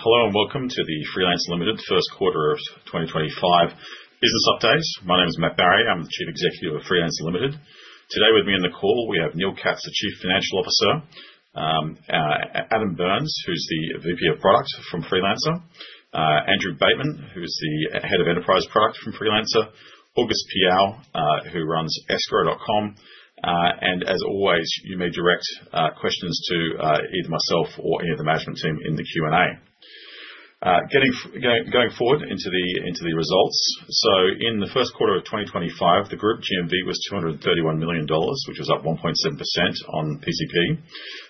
Hello and welcome to the Freelancer Limited First Quarter of 2025 Business Update. My name is Matt Barrie. I'm the Chief Executive of Freelancer Limited. Today with me on the call, we have Neil Katz, the Chief Financial Officer; Adam Byrnes, who's the VP of Product from Freelancer; Andrew Bateman, who's the Head of Enterprise Product from Freelancer; August Piao, who runs Escrow.com. As always, you may direct questions to either myself or any of the management team in the Q&A. Going forward into the results, in the first quarter of 2025, the Group GMV was $231 million, which was up 1.7% on PCP.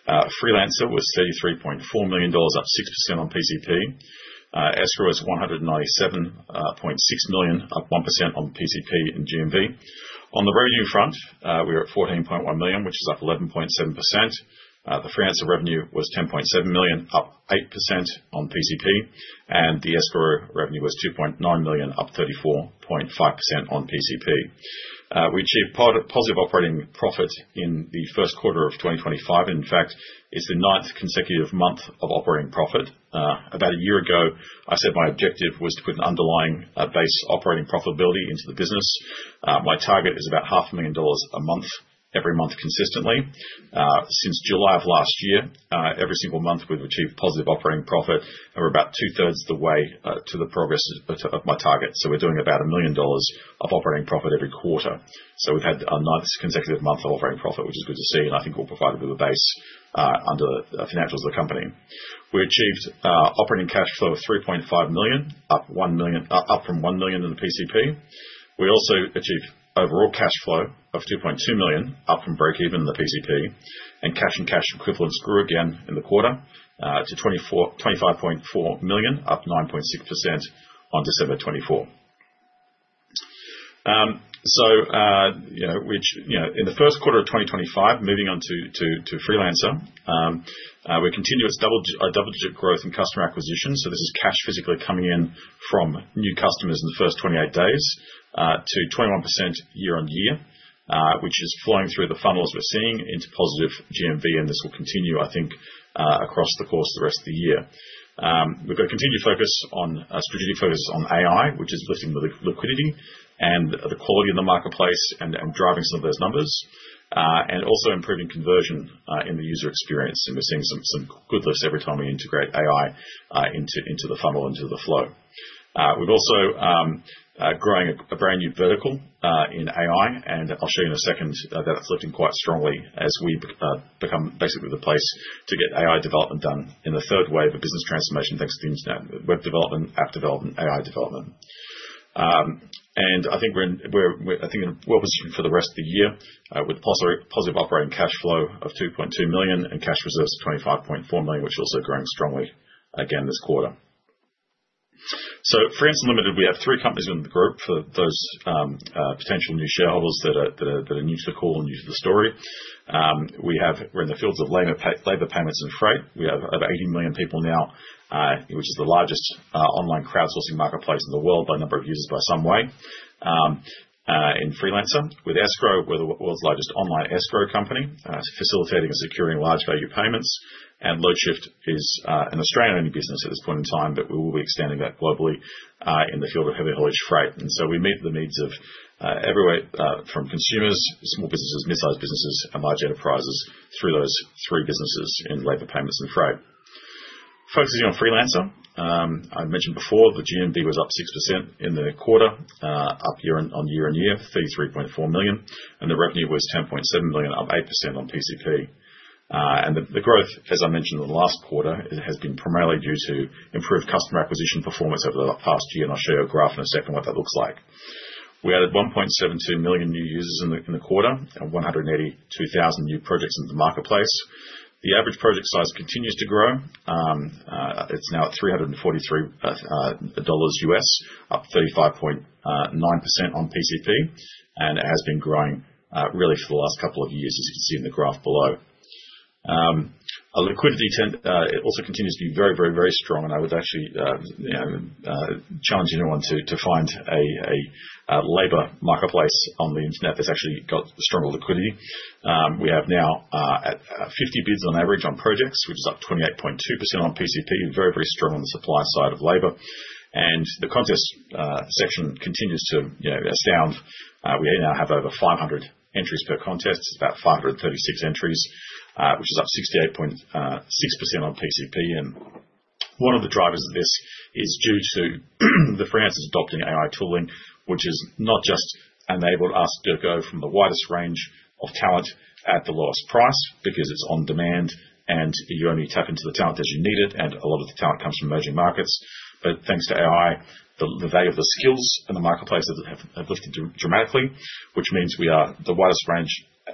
Freelancer was $33.4 million, up 6% on PCP. Escrow was $197.6 million, up 1% on PCP and GMV. On the revenue front, we were at $14.1 million, which is up 11.7%. The Freelancer revenue was $10.7 million, up 8% on PCP, and the Escrow revenue was $2.9 million, up 34.5% on PCP. We achieved positive operating profit in the first quarter of 2025. In fact, it's the ninth consecutive month of operating profit. About a year ago, I said my objective was to put an underlying base operating profitability into the business. My target is about $500,000 a month, every month consistently. Since July of last year, every single month we've achieved positive operating profit of about two-thirds the way to the progress of my target. We are doing about $1 million of operating profit every quarter. We have had our ninth consecutive month of operating profit, which is good to see, and I think will provide a bit of a base under the financials of the company. We achieved operating cash flow of $3.5 million, up from $1 million in the PCP. We also achieved overall cash flow of $2.2 million, up from break-even in the PCP, and cash and cash equivalents grew again in the quarter to $25.4 million, up 9.6% on December 24. In the first quarter of 2025, moving on to Freelancer, we're continuous double-digit growth in customer acquisition. This is cash physically coming in from new customers in the first 28 days to 21% year on year, which is flowing through the funnel as we're seeing into positive GMV, and this will continue, I think, across the course of the rest of the year. We've got continued focus on strategic focus on AI, which is lifting the liquidity and the quality of the marketplace and driving some of those numbers, and also improving conversion in the user experience. We're seeing some good lifts every time we integrate AI into the funnel, into the flow. We're also growing a brand new vertical in AI, and I'll show you in a second that it's lifting quite strongly as we become basically the place to get AI development done in the third wave of business transformation thanks to the internet: web development, app development, AI development. I think we're well-positioned for the rest of the year with positive operating cash flow of $2.2 million and cash reserves of $25.4 million, which is also growing strongly again this quarter. Freelancer Limited, we have three companies in the group for those potential new shareholders that are new to the call and new to the story. We're in the fields of labor, payments, and freight. We have over 80 million people now, which is the largest online crowdsourcing marketplace in the world by number of users by some way in Freelancer. With Escrow.com, we are the world's largest online escrow company, facilitating and securing large value payments. Loadshift is an Australian-only business at this point in time, but we will be expanding that globally in the field of heavy haulage freight. We meet the needs of everywhere from consumers, small businesses, mid-sized businesses, and large enterprises through those three businesses in labor, payments, and freight. Focusing on Freelancer, I mentioned before the GMV was up 6% in the quarter, up year-on-year and year, $33.4 million, and the revenue was $10.7 million, up 8% on PCP. The growth, as I mentioned in the last quarter, has been primarily due to improved customer acquisition performance over the past year, and I'll show you a graph in a second what that looks like. We added 1.72 million new users in the quarter and 182,000 new projects into the marketplace. The average project size continues to grow. It's now at $343 US, up 35.9% on PCP, and it has been growing really for the last couple of years, as you can see in the graph below. Liquidity also continues to be very, very, very strong. I would actually challenge anyone to find a labor marketplace on the internet that's actually got stronger liquidity. We have now 50 bids on average on projects, which is up 28.2% on PCP, very, very strong on the supply side of labor. The contest section continues to astound. We now have over 500 entries per contest. It's about 536 entries, which is up 68.6% on PCP. One of the drivers of this is due to the Freelancers adopting AI tooling, which has not just enabled us to go from the widest range of talent at the lowest price because it's on demand and you only tap into the talent as you need it, and a lot of the talent comes from emerging markets. Thanks to AI, the value of the skills in the marketplace have lifted dramatically, which means we are the widest range,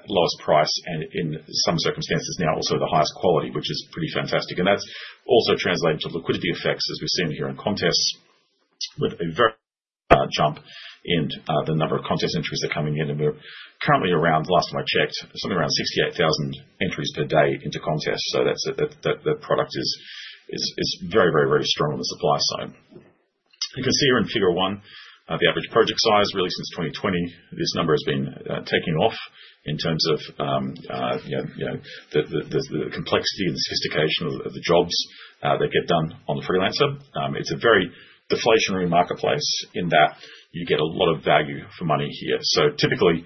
lowest price, and in some circumstances now also the highest quality, which is pretty fantastic. That's also translated into liquidity effects, as we've seen here in contests, with a very jump in the number of contest entries that come in here. We're currently around, last time I checked, something around 68,000 entries per day into contests. That product is very, very, very strong on the supply side. You can see here in figure one, the average project size, really since 2020, this number has been taking off in terms of the complexity and the sophistication of the jobs that get done on Freelancer. It's a very deflationary marketplace in that you get a lot of value for money here. Typically,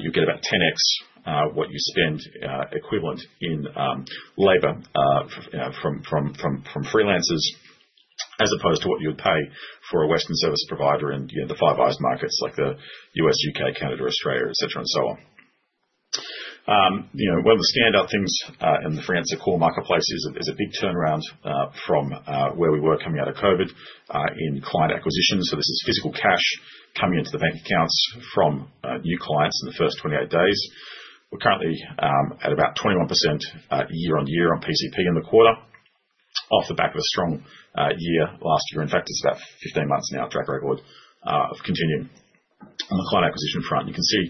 you get about 10x what you spend equivalent in labor from freelancers, as opposed to what you would pay for a Western service provider in the Five Eyes markets like the U.S., U.K., Canada, Australia, et cetera and so on. One of the standout things in the Freelancer core marketplace is a big turnaround from where we were coming out of COVID in client acquisition. This is physical cash coming into the bank accounts from new clients in the first 28 days. We're currently at about 21% year on year on PCP in the quarter, off the back of a strong year last year. In fact, it's about 15 months now, track record of continuing on the client acquisition front. You can see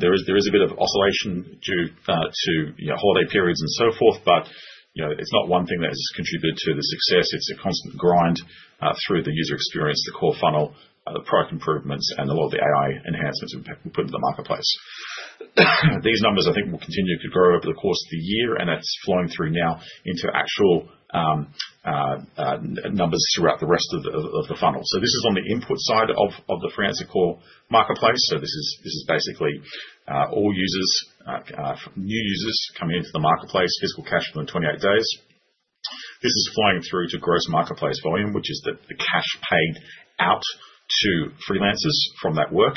there is a bit of oscillation due to holiday periods and so forth, but it's not one thing that has contributed to the success. It's a constant grind through the user experience, the core funnel, the product improvements, and a lot of the AI enhancements we've put into the marketplace. These numbers, I think, will continue to grow over the course of the year, and it's flowing through now into actual numbers throughout the rest of the funnel. This is on the input side of the Freelancer core marketplace. This is basically all users, new users coming into the marketplace, physical cash within 28 days. This is flowing through to gross marketplace volume, which is the cash paid out to Freelancers from that work.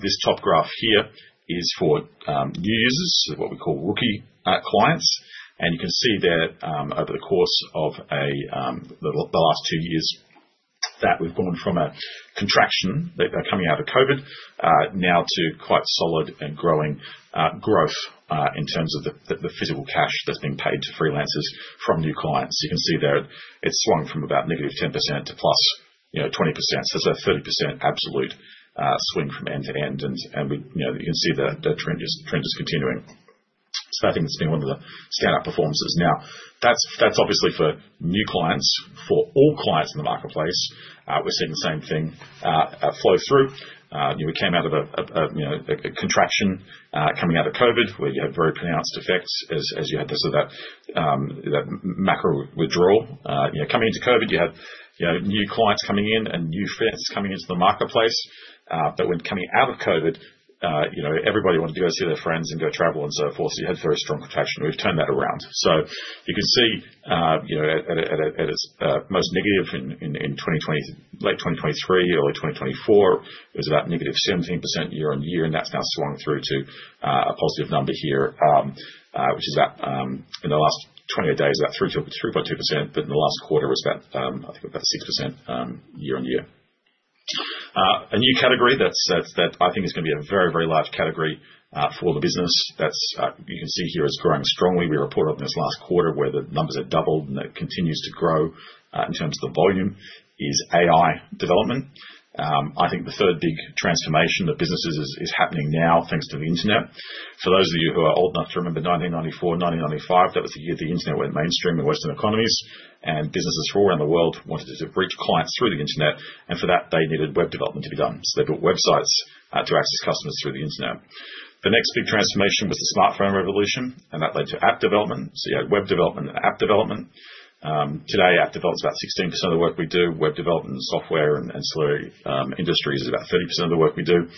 This top graph here is for new users, what we call rookie clients. You can see there over the course of the last two years that we've gone from a contraction coming out of COVID now to quite solid and growing growth in terms of the physical cash that's been paid to Freelancers from new clients. You can see there it's swung from about negative 10% to plus 20%. It's a 30% absolute swing from end to end, and you can see that the trend is continuing. I think it's been one of the standout performances. Now, that's obviously for new clients. For all clients in the marketplace, we're seeing the same thing flow through. We came out of a contraction coming out of COVID, where you had very pronounced effects as you had sort of that macro withdrawal. Coming into COVID, you had new clients coming in and new friends coming into the marketplace. When coming out of COVID, everybody wanted to go see their friends and go travel and so forth. You had very strong contraction. We've turned that around. You can see at its most negative in late 2023, early 2024, it was about -17% year-on-year, and that's now swung through to a positive number here, which is about in the last 28 days, about 3.2%, but in the last quarter, it was about, I think, about 6% year on year. A new category that I think is going to be a very, very large category for the business that you can see here is growing strongly. We reported on this last quarter where the numbers had doubled and it continues to grow in terms of the volume is AI development. I think the third big transformation that businesses is happening now thanks to the internet. For those of you who are old enough to remember 1994, 1995, that was the year the internet went mainstream in Western economies, and businesses from around the world wanted to reach clients through the internet, and for that, they needed web development to be done. They built websites to access customers through the internet. The next big transformation was the smartphone revolution, and that led to app development. You had web development and app development. Today, app development is about 16% of the work we do. Web development and software and ancillary industries is about 30% of the work we do.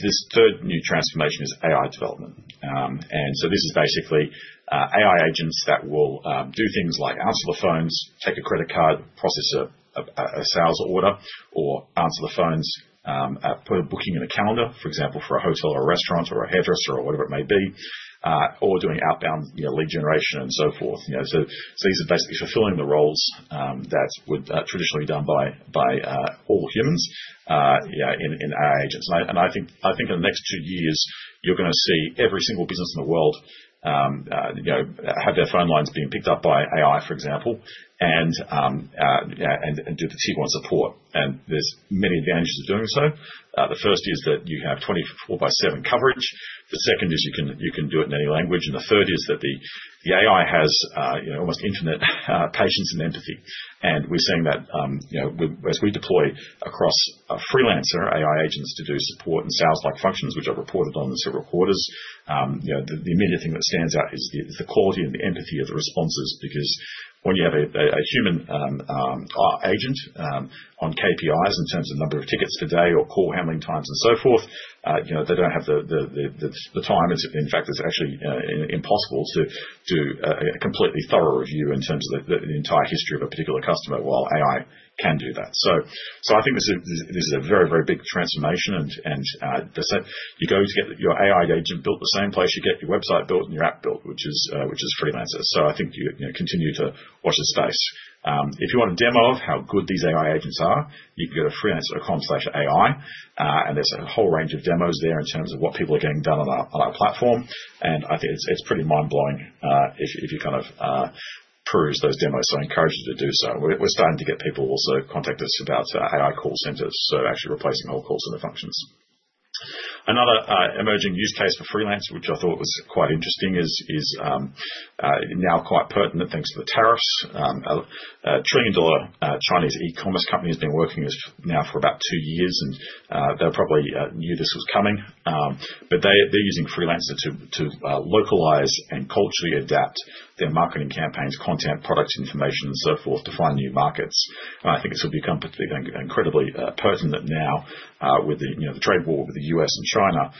This third new transformation is AI development. This is basically AI agents that will do things like answer the phones, take a credit card, process a sales order, or answer the phones, put a booking in a calendar, for example, for a hotel or a restaurant or a headrest or whatever it may be, or doing outbound lead generation and so forth. These are basically fulfilling the roles that would traditionally be done by all humans in AI agents. I think in the next two years, you're going to see every single business in the world have their phone lines being picked up by AI, for example, and do the tier one support. There are many advantages of doing so. The first is that you have 24 by 7 coverage. The second is you can do it in any language. The third is that the AI has almost infinite patience and empathy. We are seeing that as we deploy across Freelancer AI agents to do support and sales-like functions, which I have reported on in several quarters. The immediate thing that stands out is the quality and the empathy of the responses because when you have a human agent on KPIs in terms of number of tickets today or call handling times and so forth, they do not have the time. In fact, it is actually impossible to do a completely thorough review in terms of the entire history of a particular customer while AI can do that. I think this is a very, very big transformation. You go to get your AI agent built the same place you get your website built and your app built, which is Freelancer. I think you continue to watch the space. If you want a demo of how good these AI agents are, you can go to freelancer.com/ai, and there is a whole range of demos there in terms of what people are getting done on our platform. I think it is pretty mind-blowing if you kind of peruse those demos. I encourage you to do so. We are starting to get people also contact us about AI call centers, so actually replacing whole call center functions. Another emerging use case for Freelancer, which I thought was quite interesting, is now quite pertinent thanks to the tariffs. A trillion-dollar Chinese e-commerce company has been working now for about two years, and they probably knew this was coming, but they're using Freelancer to localize and culturally adapt their marketing campaigns, content, product information, and so forth to find new markets. I think this will become incredibly pertinent now with the trade war with the U.S. and China.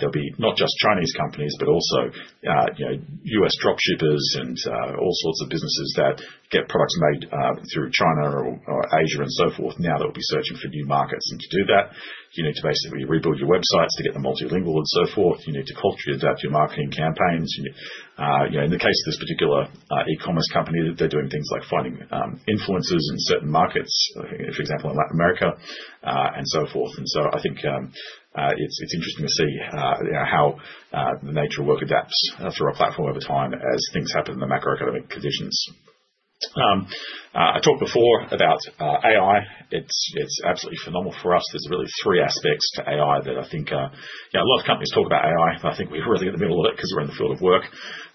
There will be not just Chinese companies, but also U.S. dropshippers and all sorts of businesses that get products made through China or Asia and so forth now that will be searching for new markets. To do that, you need to basically rebuild your websites to get them multilingual and so forth. You need to culturally adapt your marketing campaigns. In the case of this particular e-commerce company, they're doing things like finding influencers in certain markets, for example, in Latin America and so forth. I think it's interesting to see how the nature of work adapts through our platform over time as things happen in the macroeconomic conditions. I talked before about AI. It's absolutely phenomenal for us. There are really three aspects to AI that I think a lot of companies talk about AI, but I think we're really in the middle of it because we're in the field of work.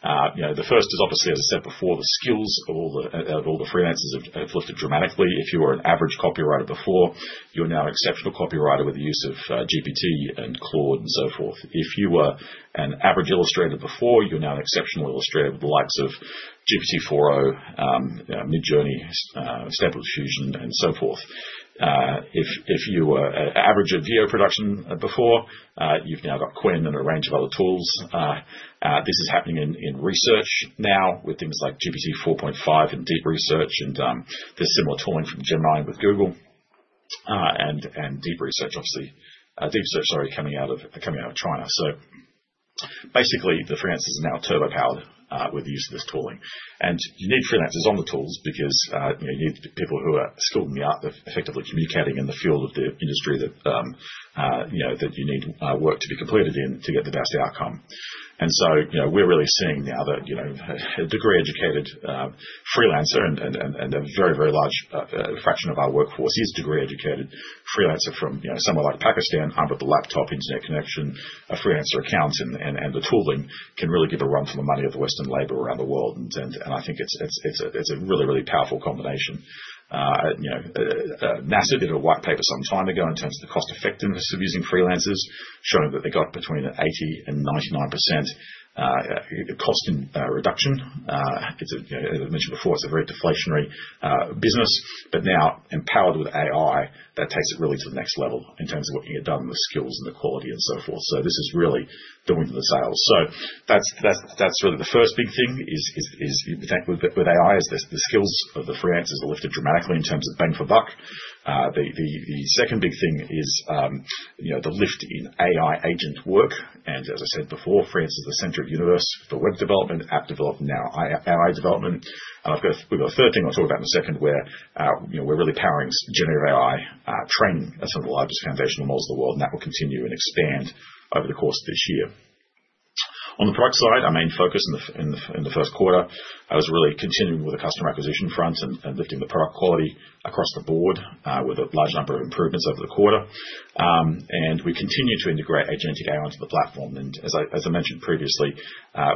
The first is obviously, as I said before, the skills of all the Freelancers have lifted dramatically. If you were an average copywriter before, you're now an exceptional copywriter with the use of GPT and Claude and so forth. If you were an average illustrator before, you're now an exceptional illustrator with the likes of GPT-4o, Midjourney, Stable Diffusion, and so forth. If you were an average at video production before, you've now got Quinn and a range of other tools. This is happening in research now with things like GPT-4.5 and Deep Research, and there's similar tooling from Gemini with Google and Deep Research, obviously. Deep Research is already coming out of China. Basically, the Freelancers are now turbo-powered with the use of this tooling. You need Freelancers on the tools because you need people who are skilled in the art of effectively communicating in the field of the industry that you need work to be completed in to get the best outcome. We are really seeing now that a degree-educated Freelancer, and a very, very large fraction of our workforce is degree-educated Freelancer from somewhere like Pakistan, armed with a laptop, internet connection, a Freelancer account, and the tooling, can really give a run for the money of the Western labor around the world. I think it's a really, really powerful combination. A massive bit of white paper some time ago in terms of the cost-effectiveness of using Freelancers showing that they got between 80% and 99% cost reduction. As I mentioned before, it's a very deflationary business, but now empowered with AI, that takes it really to the next level in terms of what can get done with skills and the quality and so forth. This is really doing the sales. That's really the first big thing is with AI, the skills of the Freelancers are lifted dramatically in terms of bang for buck. The second big thing is the lift in AI agent work. As I said before, Freelancers are the center of the universe for web development, app development, now AI development. We have a third thing I'll talk about in a second where we're really powering generative AI training as some of the largest foundational models of the world, and that will continue and expand over the course of this year. On the product side, our main focus in the first quarter was really continuing with the customer acquisition front and lifting the product quality across the board with a large number of improvements over the quarter. We continue to integrate agentic AI onto the platform. As I mentioned previously,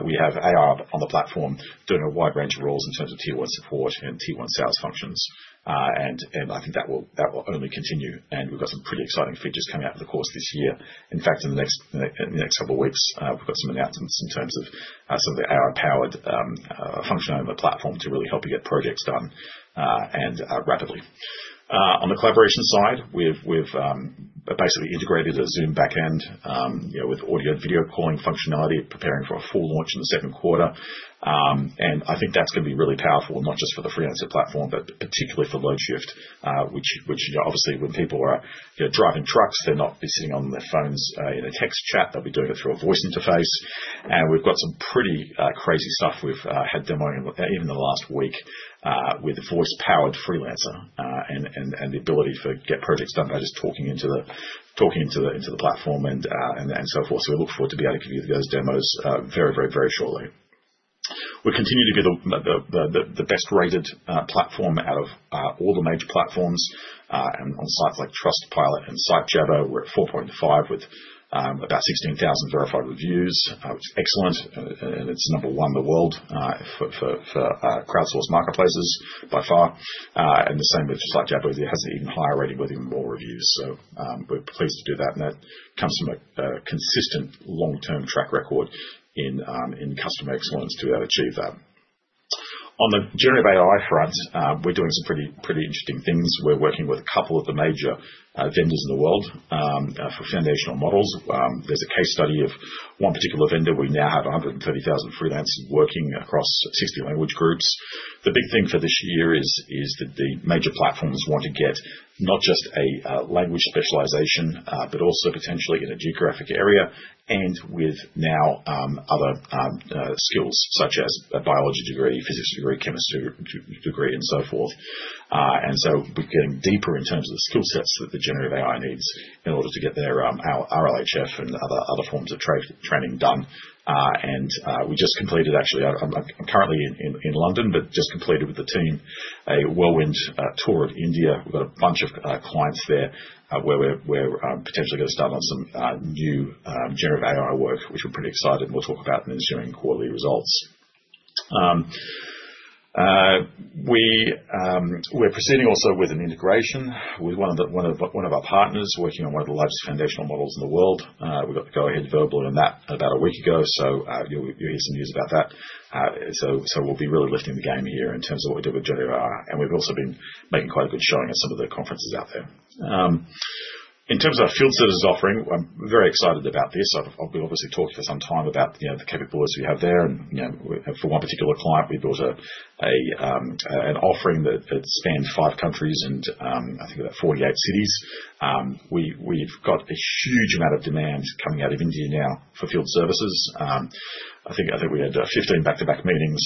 we have AI on the platform doing a wide range of roles in terms of tier one support and tier one sales functions. I think that will only continue. We have some pretty exciting features coming out in the course of this year. In fact, in the next couple of weeks, we've got some announcements in terms of some of the AI-powered function on the platform to really help you get projects done and rapidly. On the collaboration side, we've basically integrated a Zoom backend with audio and video calling functionality, preparing for a full launch in the second quarter. I think that's going to be really powerful, not just for the Freelancer platform, but particularly for Loadshift, which obviously, when people are driving trucks, they're not sitting on their phones in a text chat. They'll be doing it through a voice interface. We've got some pretty crazy stuff we've had demoing even in the last week with voice-powered Freelancer and the ability to get projects done by just talking into the platform and so forth. We look forward to be able to give you those demos very, very, very shortly. We continue to be the best-rated platform out of all the major platforms. On sites like Trustpilot and Sitejabber, we're at 4.5 with about 16,000 verified reviews, which is excellent. It's number one in the world for crowdsourced marketplaces by far. The same with Sitejabber, it has an even higher rating with even more reviews. We're pleased to do that. That comes from a consistent long-term track record in customer excellence to achieve that. On the generative AI front, we're doing some pretty interesting things. We're working with a couple of the major vendors in the world for foundational models. There's a case study of one particular vendor. We now have 130,000 freelancers working across 60 language groups. The big thing for this year is that the major platforms want to get not just a language specialization, but also potentially in a geographic area and with now other skills such as a biology degree, physics degree, chemistry degree, and so forth. We are getting deeper in terms of the skill sets that the generative AI needs in order to get their RLHF and other forms of training done. I just completed, actually, I am currently in London, but just completed with the team a whirlwind tour of India. We have got a bunch of clients there where we are potentially going to start on some new generative AI work, which we are pretty excited. We will talk about them in the ensuing quarterly results. We are proceeding also with an integration with one of our partners working on one of the largest foundational models in the world. We got the go-ahead verbally on that about a week ago. You'll hear some news about that. We will be really lifting the game here in terms of what we do with generative AI. We have also been making quite a good showing at some of the conferences out there. In terms of our field services offering, I'm very excited about this. I'll be obviously talking for some time about the capabilities we have there. For one particular client, we built an offering that spanned five countries and I think about 48 cities. We have a huge amount of demand coming out of India now for field services. I think we had 15 back-to-back meetings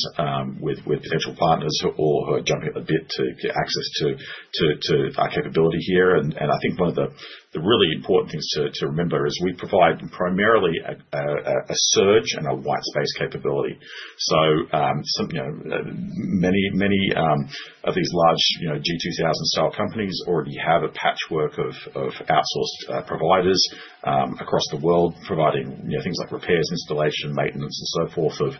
with potential partners who are jumping a bit to get access to our capability here. I think one of the really important things to remember is we provide primarily a surge and a white space capability. Many of these large G2000-style companies already have a patchwork of outsourced providers across the world providing things like repairs, installation, maintenance, and so forth of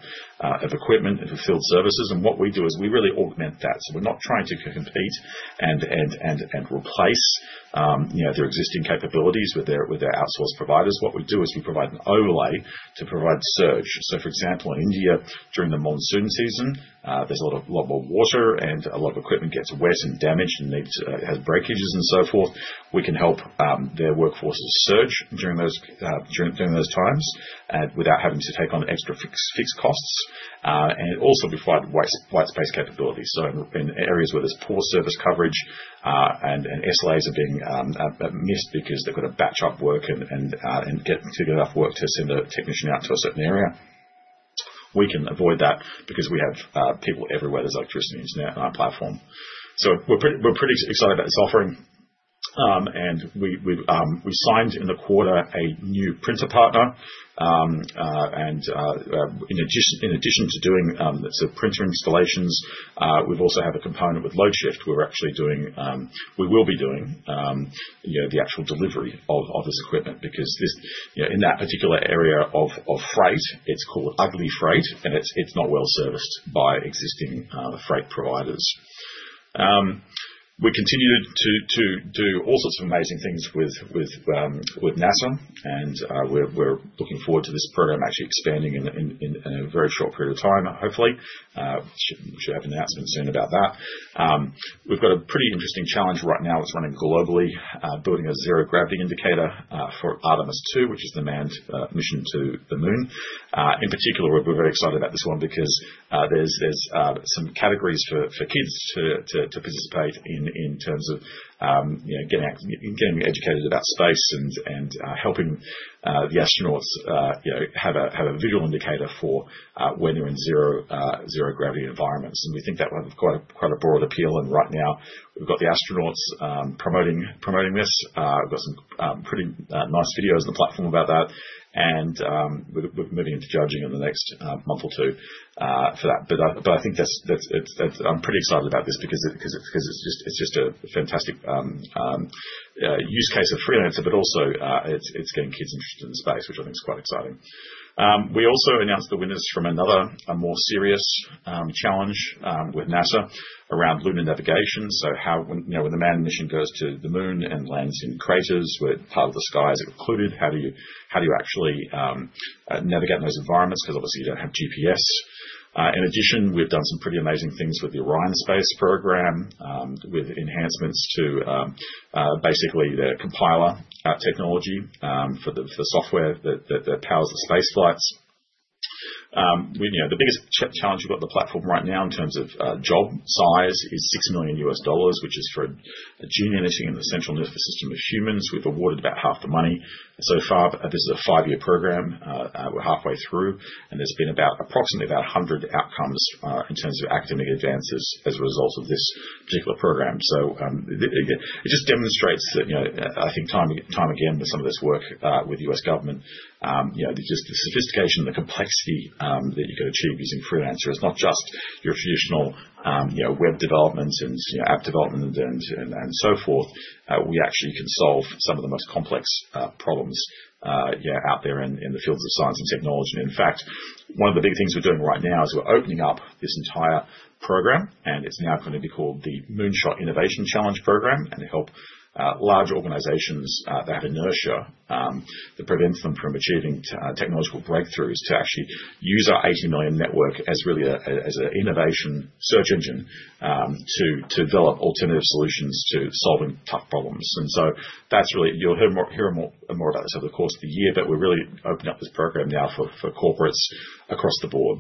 equipment and field services. What we do is we really augment that. We are not trying to compete and replace their existing capabilities with their outsourced providers. What we do is we provide an overlay to provide surge. For example, in India, during the monsoon season, there is a lot more water, and a lot of equipment gets wet and damaged and has breakages and so forth. We can help their workforces surge during those times without having to take on extra fixed costs. We also provide white space capability. In areas where there's poor service coverage and SLAs are being missed because they've got to batch up work and get enough work to send a technician out to a certain area, we can avoid that because we have people everywhere. There's electricity and internet on our platform. We're pretty excited about this offering. We signed in the quarter a new printer partner. In addition to doing some printer installations, we've also had a component with Loadshift where we will be doing the actual delivery of this equipment because in that particular area of freight, it's called ugly freight, and it's not well serviced by existing freight providers. We continue to do all sorts of amazing things with NASA, and we're looking forward to this program actually expanding in a very short period of time, hopefully. We should have an announcement soon about that. We've got a pretty interesting challenge right now. It's running globally, building a zero gravity indicator for Artemis II, which is the manned mission to the moon. In particular, we're very excited about this one because there's some categories for kids to participate in terms of getting educated about space and helping the astronauts have a visual indicator for when they're in zero gravity environments. We think that will have quite a broad appeal. Right now, we've got the astronauts promoting this. We've got some pretty nice videos on the platform about that. We're moving into judging in the next month or two for that. I think I'm pretty excited about this because it's just a fantastic use case of Freelancer, but also it's getting kids interested in the space, which I think is quite exciting. We also announced the winners from another more serious challenge with NASA around lunar navigation. When the manned mission goes to the moon and lands in craters where part of the sky is occluded, how do you actually navigate in those environments? Because obviously, you don't have GPS. In addition, we've done some pretty amazing things with the Orion Space Program with enhancements to basically the compiler technology for the software that powers the space flights. The biggest challenge we've got on the platform right now in terms of job size is $6 million, which is for a junior mission in the central nervous system of humans. We've awarded about half the money so far. This is a five-year program. We're halfway through, and there's been approximately about 100 outcomes in terms of academic advances as a result of this particular program. It just demonstrates that I think time and again, with some of this work with the U.S. government, just the sophistication and the complexity that you can achieve using Freelancer is not just your traditional web development and app development and so forth. We actually can solve some of the most complex problems out there in the fields of science and technology. In fact, one of the big things we're doing right now is we're opening up this entire program, and it's now going to be called the Moonshot Innovation Challenge Program and help large organizations that have inertia that prevents them from achieving technological breakthroughs to actually use our 80 million network as really an innovation search engine to develop alternative solutions to solving tough problems. You'll hear more about this over the course of the year, but we're really opening up this program now for corporates across the board.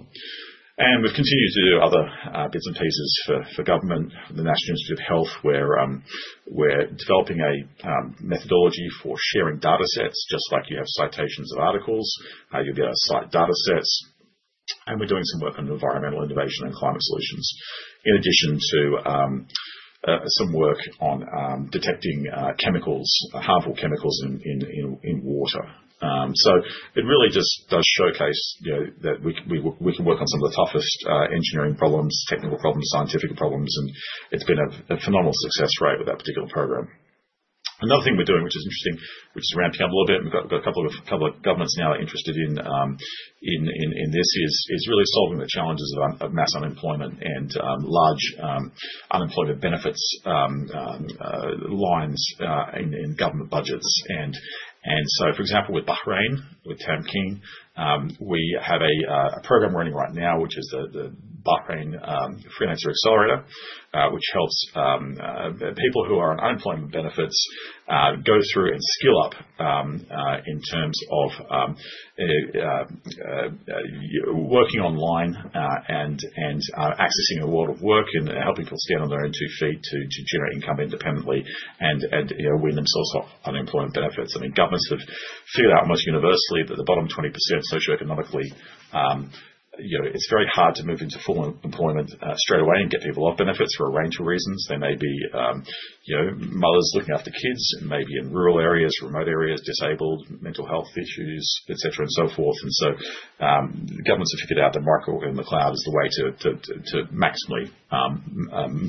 We've continued to do other bits and pieces for government, the National Institute of Health, where we're developing a methodology for sharing data sets, just like you have citations of articles. You'll get a cite data sets. We're doing some work on environmental innovation and climate solutions, in addition to some work on detecting harmful chemicals in water. It really just does showcase that we can work on some of the toughest engineering problems, technical problems, scientific problems. It's been a phenomenal success rate with that particular program. Another thing we're doing, which is interesting, which is ramping up a little bit, we've got a couple of governments now interested in this is really solving the challenges of mass unemployment and large unemployment benefits lines in government budgets. For example, with Bahrain, with Tamkeen, we have a program running right now, which is the Bahrain Freelancer Accelerator, which helps people who are on unemployment benefits go through and skill up in terms of working online and accessing a world of work and helping people stand on their own two feet to generate income independently and win themselves unemployment benefits. I mean, governments have figured out almost universally that the bottom 20% socioeconomically, it's very hard to move into full employment straight away and get people off benefits for a range of reasons. They may be mothers looking after kids, maybe in rural areas, remote areas, disabled, mental health issues, etc., and so forth. Governments have figured out that micro and the cloud is the way to maximally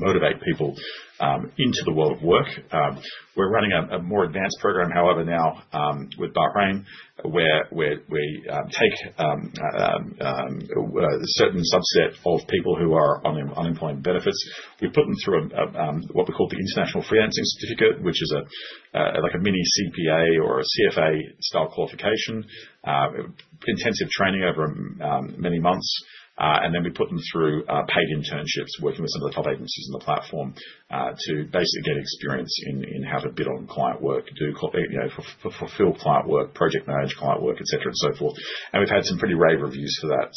motivate people into the world of work. We're running a more advanced program, however, now with Bahrain, where we take a certain subset of people who are on unemployment benefits. We put them through what we call the International Freelancing Certificate, which is like a mini CPA or a CFA-style qualification, intensive training over many months. We put them through paid internships, working with some of the top agencies on the platform to basically get experience in how to bid on client work, fulfill client work, project manage client work, etc., and so forth. We've had some pretty rave reviews for that.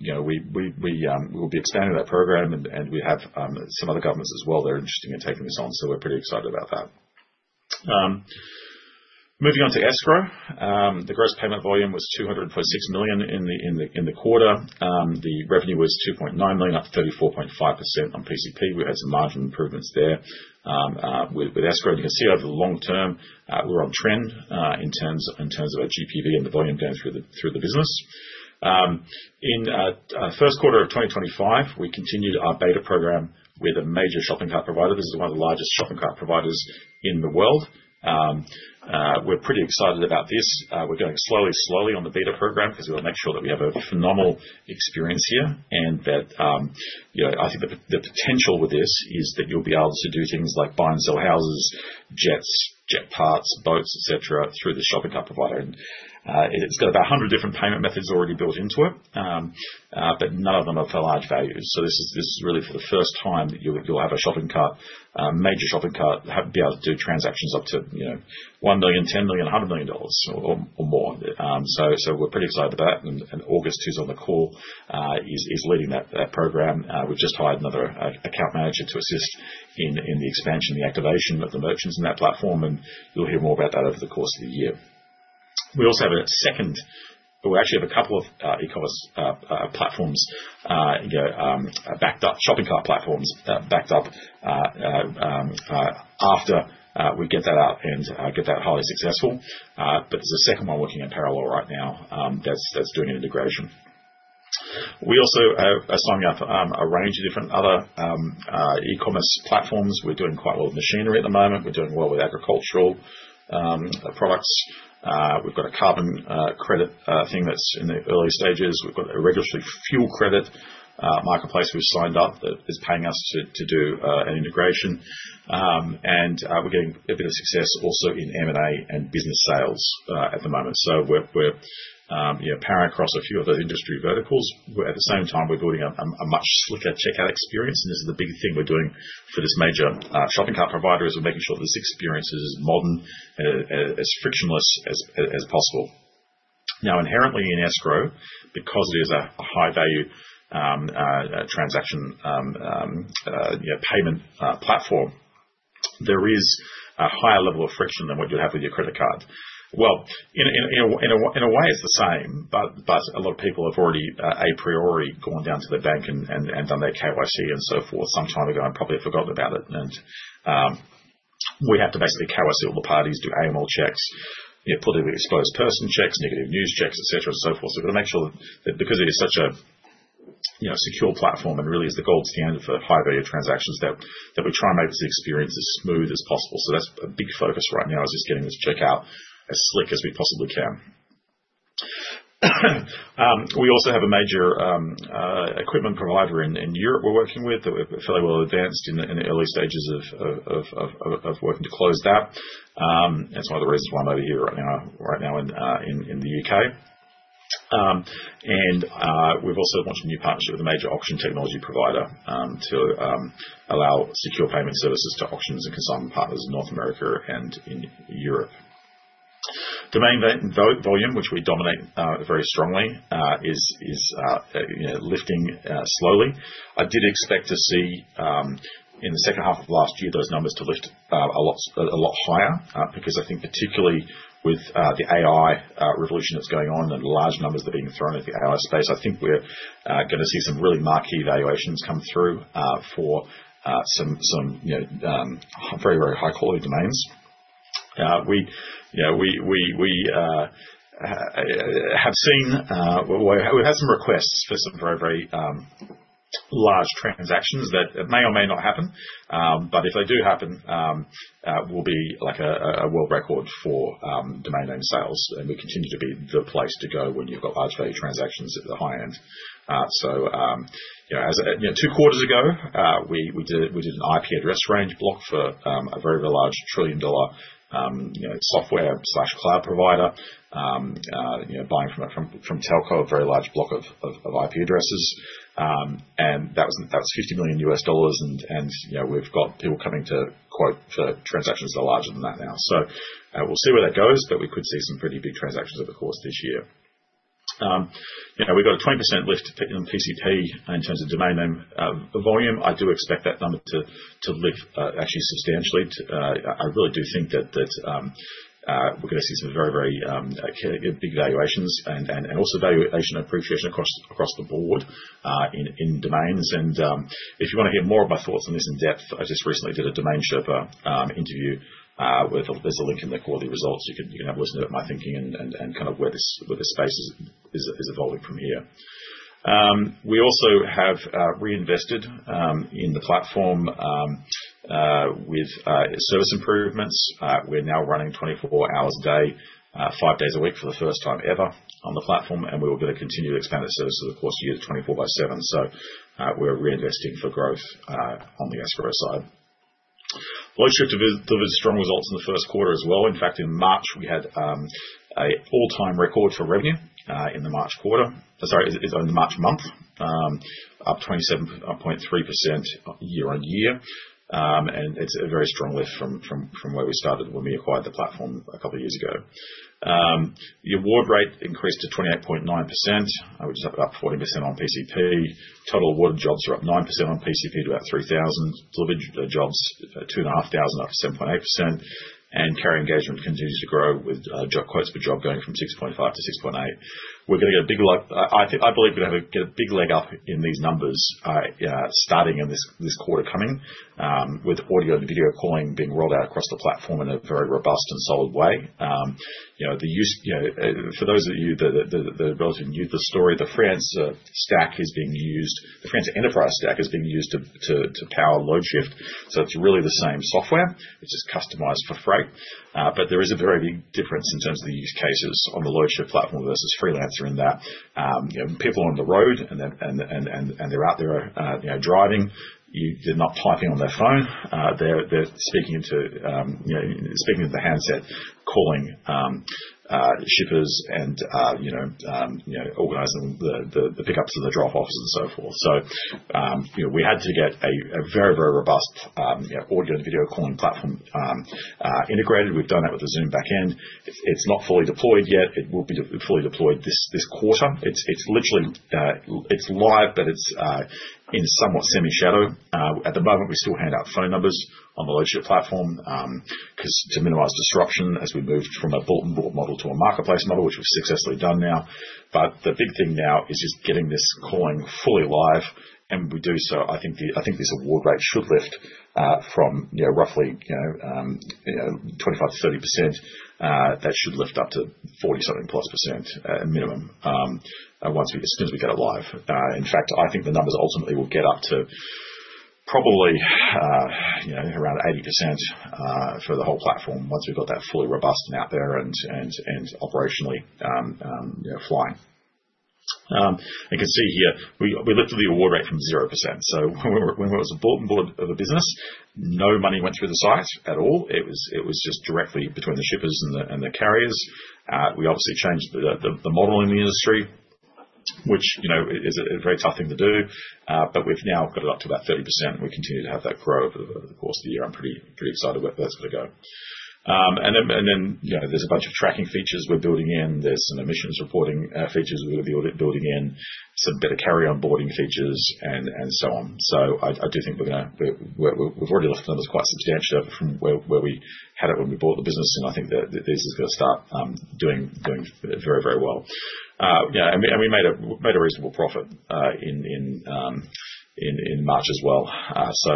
We will be expanding that program, and we have some other governments as well. They're interested in taking this on, so we're pretty excited about that. Moving on to Escrow. The gross payment volume was $2.6 million in the quarter. The revenue was $2.9 million, up 34.5% on PCP. We had some margin improvements there with escrow. You can see over the long term, we're on trend in terms of our GPV and the volume going through the business. In first quarter of 2025, we continued our beta program with a major shopping cart provider. This is one of the largest shopping cart providers in the world. We're pretty excited about this. We're going slowly, slowly on the beta program because we want to make sure that we have a phenomenal experience here. I think the potential with this is that you'll be able to do things like buy and sell houses, jets, jet parts, boats, etc., through the shopping cart provider. It has about 100 different payment methods already built into it, but none of them are for large values. This is really for the first time that you'll have a major shopping cart be able to do transactions up to $1 million, $10 million, $100 million or more. We are pretty excited about that. August, who's on the call, is leading that program. We have just hired another account manager to assist in the expansion, the activation of the merchants in that platform. You will hear more about that over the course of the year. We also have a second, we actually have a couple of e-commerce platforms, shopping cart platforms, backed up after we get that out and get that highly successful. There is a second one working in parallel right now that's doing an integration. We also are signing up a range of different other e-commerce platforms. We're doing quite well with machinery at the moment. We're doing well with agricultural products. We've got a carbon credit thing that's in the early stages. We've got a regulatory fuel credit marketplace we've signed up that is paying us to do an integration. We're getting a bit of success also in M&A and business sales at the moment. We are powering across a few other industry verticals. At the same time, we're building a much slicker checkout experience. This is the big thing we're doing for this major shopping cart provider: we're making sure that this experience is modern, as frictionless as possible. Inherently in escrow, because it is a high-value transaction payment platform, there is a higher level of friction than what you have with your credit card. In a way, it's the same, but a lot of people have already a priori gone down to the bank and done their KYC and so forth some time ago and probably forgotten about it. We have to basically KYC all the parties, do AML checks, put in exposed person checks, negative news checks, etc., and so forth. We've got to make sure that because it is such a secure platform and really is the gold standard for high-value transactions, we try and make this experience as smooth as possible. That's a big focus right now is just getting this checkout as slick as we possibly can. We also have a major equipment provider in Europe we're working with that we're fairly well advanced in the early stages of working to close that. That's one of the reasons why I'm over here right now in the U.K. We have also launched a new partnership with a major auction technology provider to allow secure payment services to auctions and consultant partners in North America and in Europe. Domain volume, which we dominate very strongly, is lifting slowly. I did expect to see in the second half of last year those numbers to lift a lot higher because I think particularly with the AI revolution that's going on and the large numbers that are being thrown into the AI space, I think we're going to see some really marquee valuations come through for some very, very high-quality domains. We have seen we've had some requests for some very, very large transactions that may or may not happen. If they do happen, it will be like a world record for domain-owned sales. We continue to be the place to go when you've got large-value transactions at the high end. Two quarters ago, we did an IP address range block for a very, very large trillion-dollar software/cloud provider, buying from Telco a very large block of IP addresses. That was $50 million. We have people coming to quote for transactions that are larger than that now. We will see where that goes, but we could see some pretty big transactions over the course of this year. We have a 20% lift in PCP in terms of domain-owned volume. I do expect that number to lift actually substantially. I really do think that we are going to see some very, very big valuations and also valuation appreciation across the board in domains. If you want to hear more of my thoughts on this in depth, I just recently did a Domain Sherpa interview. There is a link in the quarterly results. You can have a listen to my thinking and kind of where the space is evolving from here. We also have reinvested in the platform with service improvements. We're now running 24 hours a day, five days a week for the first time ever on the platform. We will be able to continue to expand the service over the course of the year to 24 by 7. We're reinvesting for growth on the escrow side. Loadshift delivered strong results in the first quarter as well. In fact, in March, we had an all-time record for revenue in the March quarter. Sorry, in the March month, up 27.3% year on year. It's a very strong lift from where we started when we acquired the platform a couple of years ago. The award rate increased to 28.9%, which is up 40% on PCP. Total awarded jobs are up 9% on PCP to about 3,000. Delivered jobs, 2,500, up 7.8%. Carrier engagement continues to grow with job quotes per job going from 6.5-6.8. We're going to get a big, I believe we're going to get a big leg up in these numbers starting in this quarter coming, with audio and video calling being rolled out across the platform in a very robust and solid way. For those of you that are relatively new to the story, the Freelancer stack is being used. The Freelancer Enterprise stack is being used to power Loadshift. So it's really the same software. It's just customized for free. There is a very big difference in terms of the use cases on the Loadshift platform versus Freelancer in that people are on the road and they're out there driving. They're not typing on their phone. They're speaking into the handset, calling shippers and organizing the pickups and the drop-offs and so forth. We had to get a very, very robust audio and video calling platform integrated. We've done that with the Zoom backend. It's not fully deployed yet. It will be fully deployed this quarter. It's live, but it's in somewhat semi-shadow. At the moment, we still hand out phone numbers on the Loadshift platform to minimize disruption as we move from a bulletin board model to a marketplace model, which we've successfully done now. The big thing now is just getting this calling fully live. I think this award rate should lift from roughly 25%-30%. That should lift up to 40-something plus % minimum as soon as we get it live. In fact, I think the numbers ultimately will get up to probably around 80% for the whole platform once we've got that fully robust and out there and operationally flying. You can see here we lifted the award rate from 0%. When we were at the bulletin board of a business, no money went through the site at all. It was just directly between the shippers and the carriers. We obviously changed the model in the industry, which is a very tough thing to do. We have now got it up to about 30%. We continue to have that grow over the course of the year. I'm pretty excited where that's going to go. There is a bunch of tracking features we're building in. There are some emissions reporting features we're going to be building in, some better carrier onboarding features, and so on. I do think we've already lifted numbers quite substantially from where we had it when we bought the business. I think that this is going to start doing very, very well. We made a reasonable profit in March as well.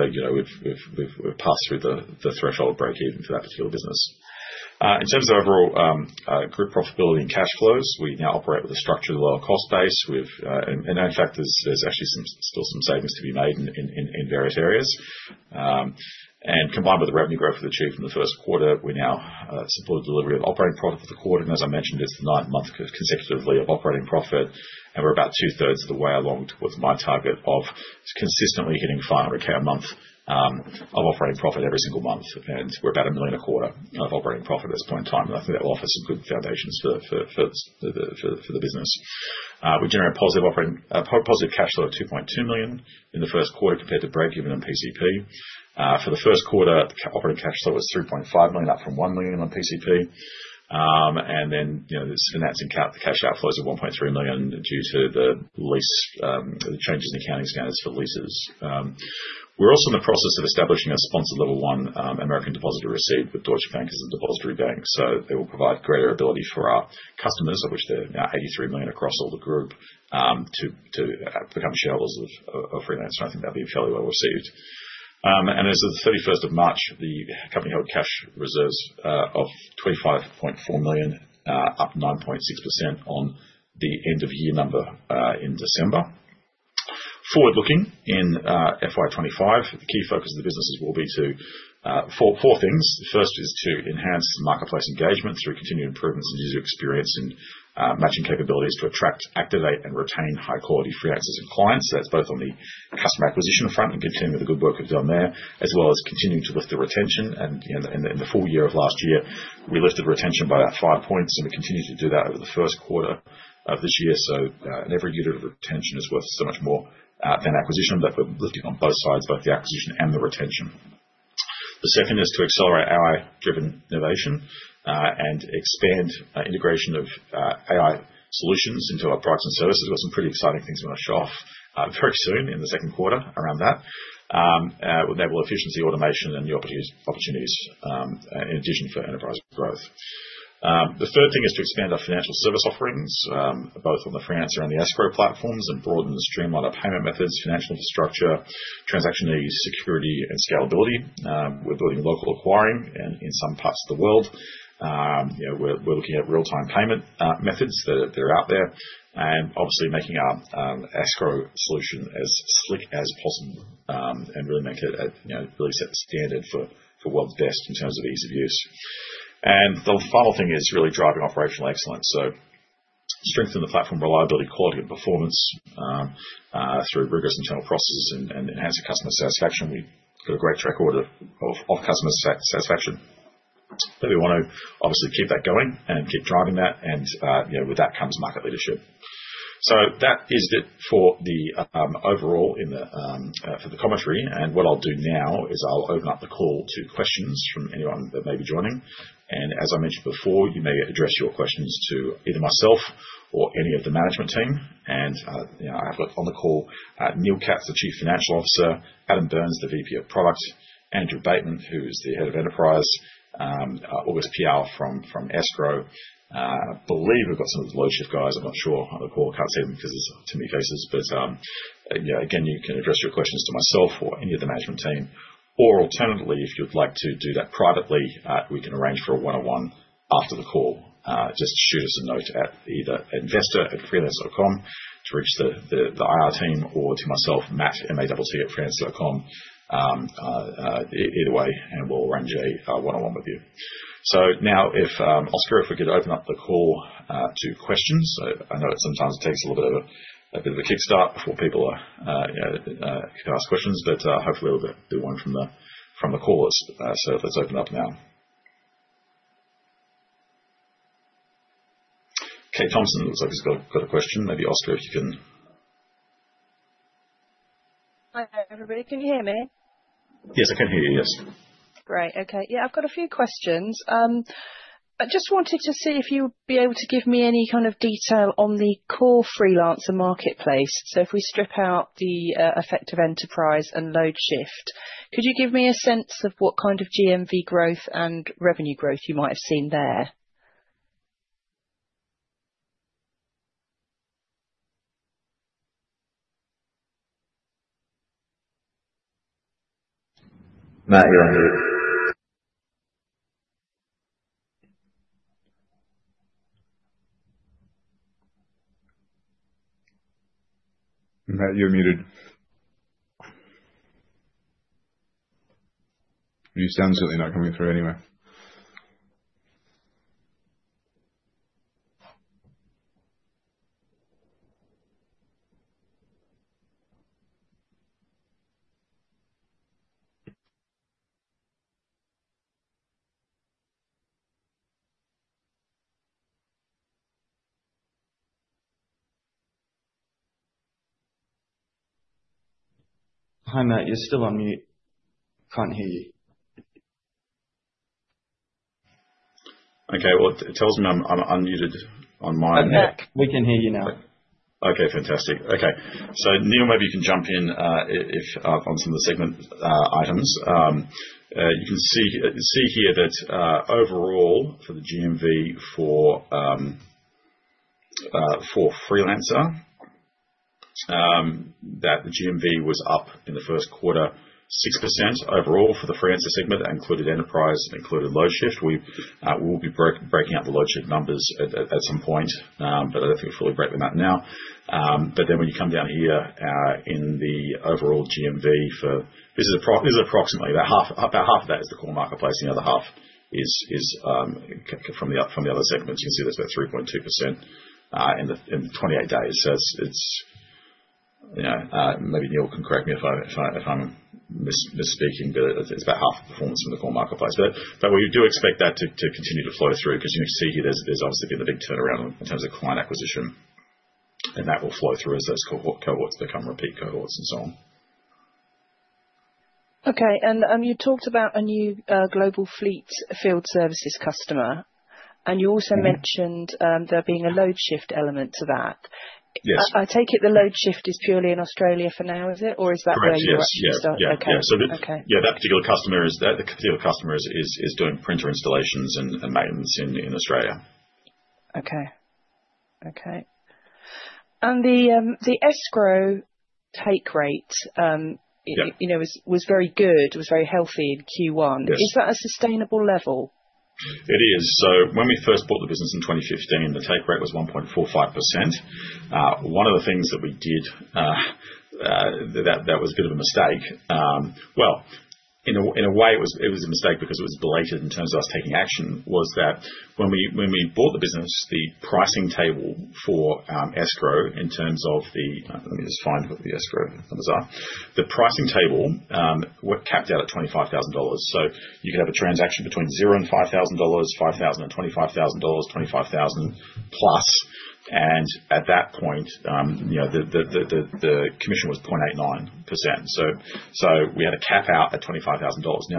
We have passed through the threshold break-even for that particular business. In terms of overall group profitability and cash flows, we now operate with a structured lower cost base. In fact, there are actually still some savings to be made in various areas. Combined with the revenue growth we have achieved in the first quarter, we now support delivery of operating profit for the quarter. As I mentioned, it is the ninth month consecutively of operating profit. We are about two-thirds of the way along towards my target of consistently hitting $500,000 a month of operating profit every single month. We are about $1 million a quarter of operating profit at this point in time. I think that will offer some good foundations for the business. We generate positive cash flow of $2.2 million in the first quarter compared to break-even on PCP. For the first quarter, operating cash flow was $3.5 million, up from $1 million on PCP. The cash outflows are $1.3 million due to the changes in accounting standards for leases. We are also in the process of establishing a sponsored level one ADR with Deutsche Bank as a depository bank. It will provide greater ability for our customers, of which there are now 83 million across all the group, to become shareholders of Freelancer. I think that will be fairly well received. As of the 31st of March, the company held cash reserves of $25.4 million, up 9.6% on the end-of-year number in December. Forward-looking in FY2025, the key focus of the business will be to four things. The first is to enhance marketplace engagement through continued improvements in user experience and matching capabilities to attract, activate, and retain high-quality freelancers and clients. That is both on the customer acquisition front and continuing with the good work we've done there, as well as continuing to lift the retention. In the full year of last year, we lifted retention by about five percentage points. We continue to do that over the first quarter of this year. Every unit of retention is worth so much more than acquisition. We are lifting on both sides, both the acquisition and the retention. The second is to accelerate AI-driven innovation and expand integration of AI solutions into our products and services. We've got some pretty exciting things we're going to show off very soon in the second quarter around that, enable efficiency, automation, and new opportunities in addition for enterprise growth. The third thing is to expand our financial service offerings, both on the Freelancer and the Escrow.com platforms, and broaden and streamline our payment methods, financial infrastructure, transactional security, and scalability. We're building local acquiring in some parts of the world. We're looking at real-time payment methods that are out there and obviously making our escrow solution as slick as possible and really set the standard for world's best in terms of ease of use. The final thing is really driving operational excellence. Strengthen the platform reliability, quality, and performance through rigorous internal processes and enhancing customer satisfaction. We've got a great track record of customer satisfaction. We want to obviously keep that going and keep driving that. With that comes market leadership. That is it for the overall for the commentary. What I'll do now is I'll open up the call to questions from anyone that may be joining. As I mentioned before, you may address your questions to either myself or any of the management team. I have on the call Neil Katz, the Chief Financial Officer, Adam Byrnes, the VP of Product, Andrew Bateman, who is the Head of Enterprise, August Piao from Escrow. I believe we've got some of the Loadshift guys. I'm not sure. I can't see them because it's too many faces. Again, you can address your questions to myself or any of the management team. Alternatively, if you'd like to do that privately, we can arrange for a one-on-one after the call. Just shoot us a note at either investor@freelancer.com to reach the IR team or to myself, Matt, M-A-T-T, @freelancer.com, either way, and we'll arrange a one-on-one with you. Oscar, if we could open up the call to questions. I know sometimes it takes a little bit of a kickstart before people can ask questions, but hopefully, we'll do one from the callers. Let's open up now. Kate Thompson looks like she's got a question. Maybe Oscar, if you can. Hi, everybody. Can you hear me? Yes, I can hear you. Yes. Great. Okay. Yeah, I've got a few questions. I just wanted to see if you would be able to give me any kind of detail on the core Freelancer marketplace. If we strip out the effect of Enterprise and Loadshift, could you give me a sense of what kind of GMV growth and revenue growth you might have seen there? Matt, you're muted. You are certainly not coming through anyway. Hi, Matt. You're still on mute. Can't hear you. Okay. It tells me I'm unmuted on mine. Matt, we can hear you now. Okay. Fantastic. Okay. So Neil, maybe you can jump in on some of the segment items. You can see here that overall for the GMV for Freelancer, that the GMV was up in the first quarter, 6% overall for the Freelancer segment, that included enterprise, included Loadshift. We will be breaking out the Loadshift numbers at some point, but I do not think we will fully break them out now. When you come down here in the overall GMV, this is approximately about half of that is the core marketplace. The other half is from the other segments. You can see that is about 3.2% in 28 days. Maybe Neil can correct me if I am misspeaking, but it is about half the performance from the core marketplace. We do expect that to continue to flow through because you can see here there's obviously been a big turnaround in terms of client acquisition. That will flow through as those cohorts become repeat cohorts and so on. Okay. You talked about a new global fleet field services customer. You also mentioned there being a Loadshift element to that. I take it the Loadshift is purely in Australia for now, is it? Is that where you're starting? Yeah. Yeah. That particular customer is doing printer installations and maintenance in Australia. Okay. Okay. The escrow take rate was very good, was very healthy in Q1. Is that a sustainable level? It is. When we first bought the business in 2015, the take rate was 1.45%. One of the things that we did that was a bit of a mistake, in a way, it was a mistake because it was blatant in terms of us taking action, was that when we bought the business, the pricing table for escrow, in terms of the—let me just find what the escrow numbers are. The pricing table capped out at $25,000. You could have a transaction between $0-$5,000, $5,000-$25,000, $25,000 plus. At that point, the commission was 0.89%. We had a cap out at $25,000.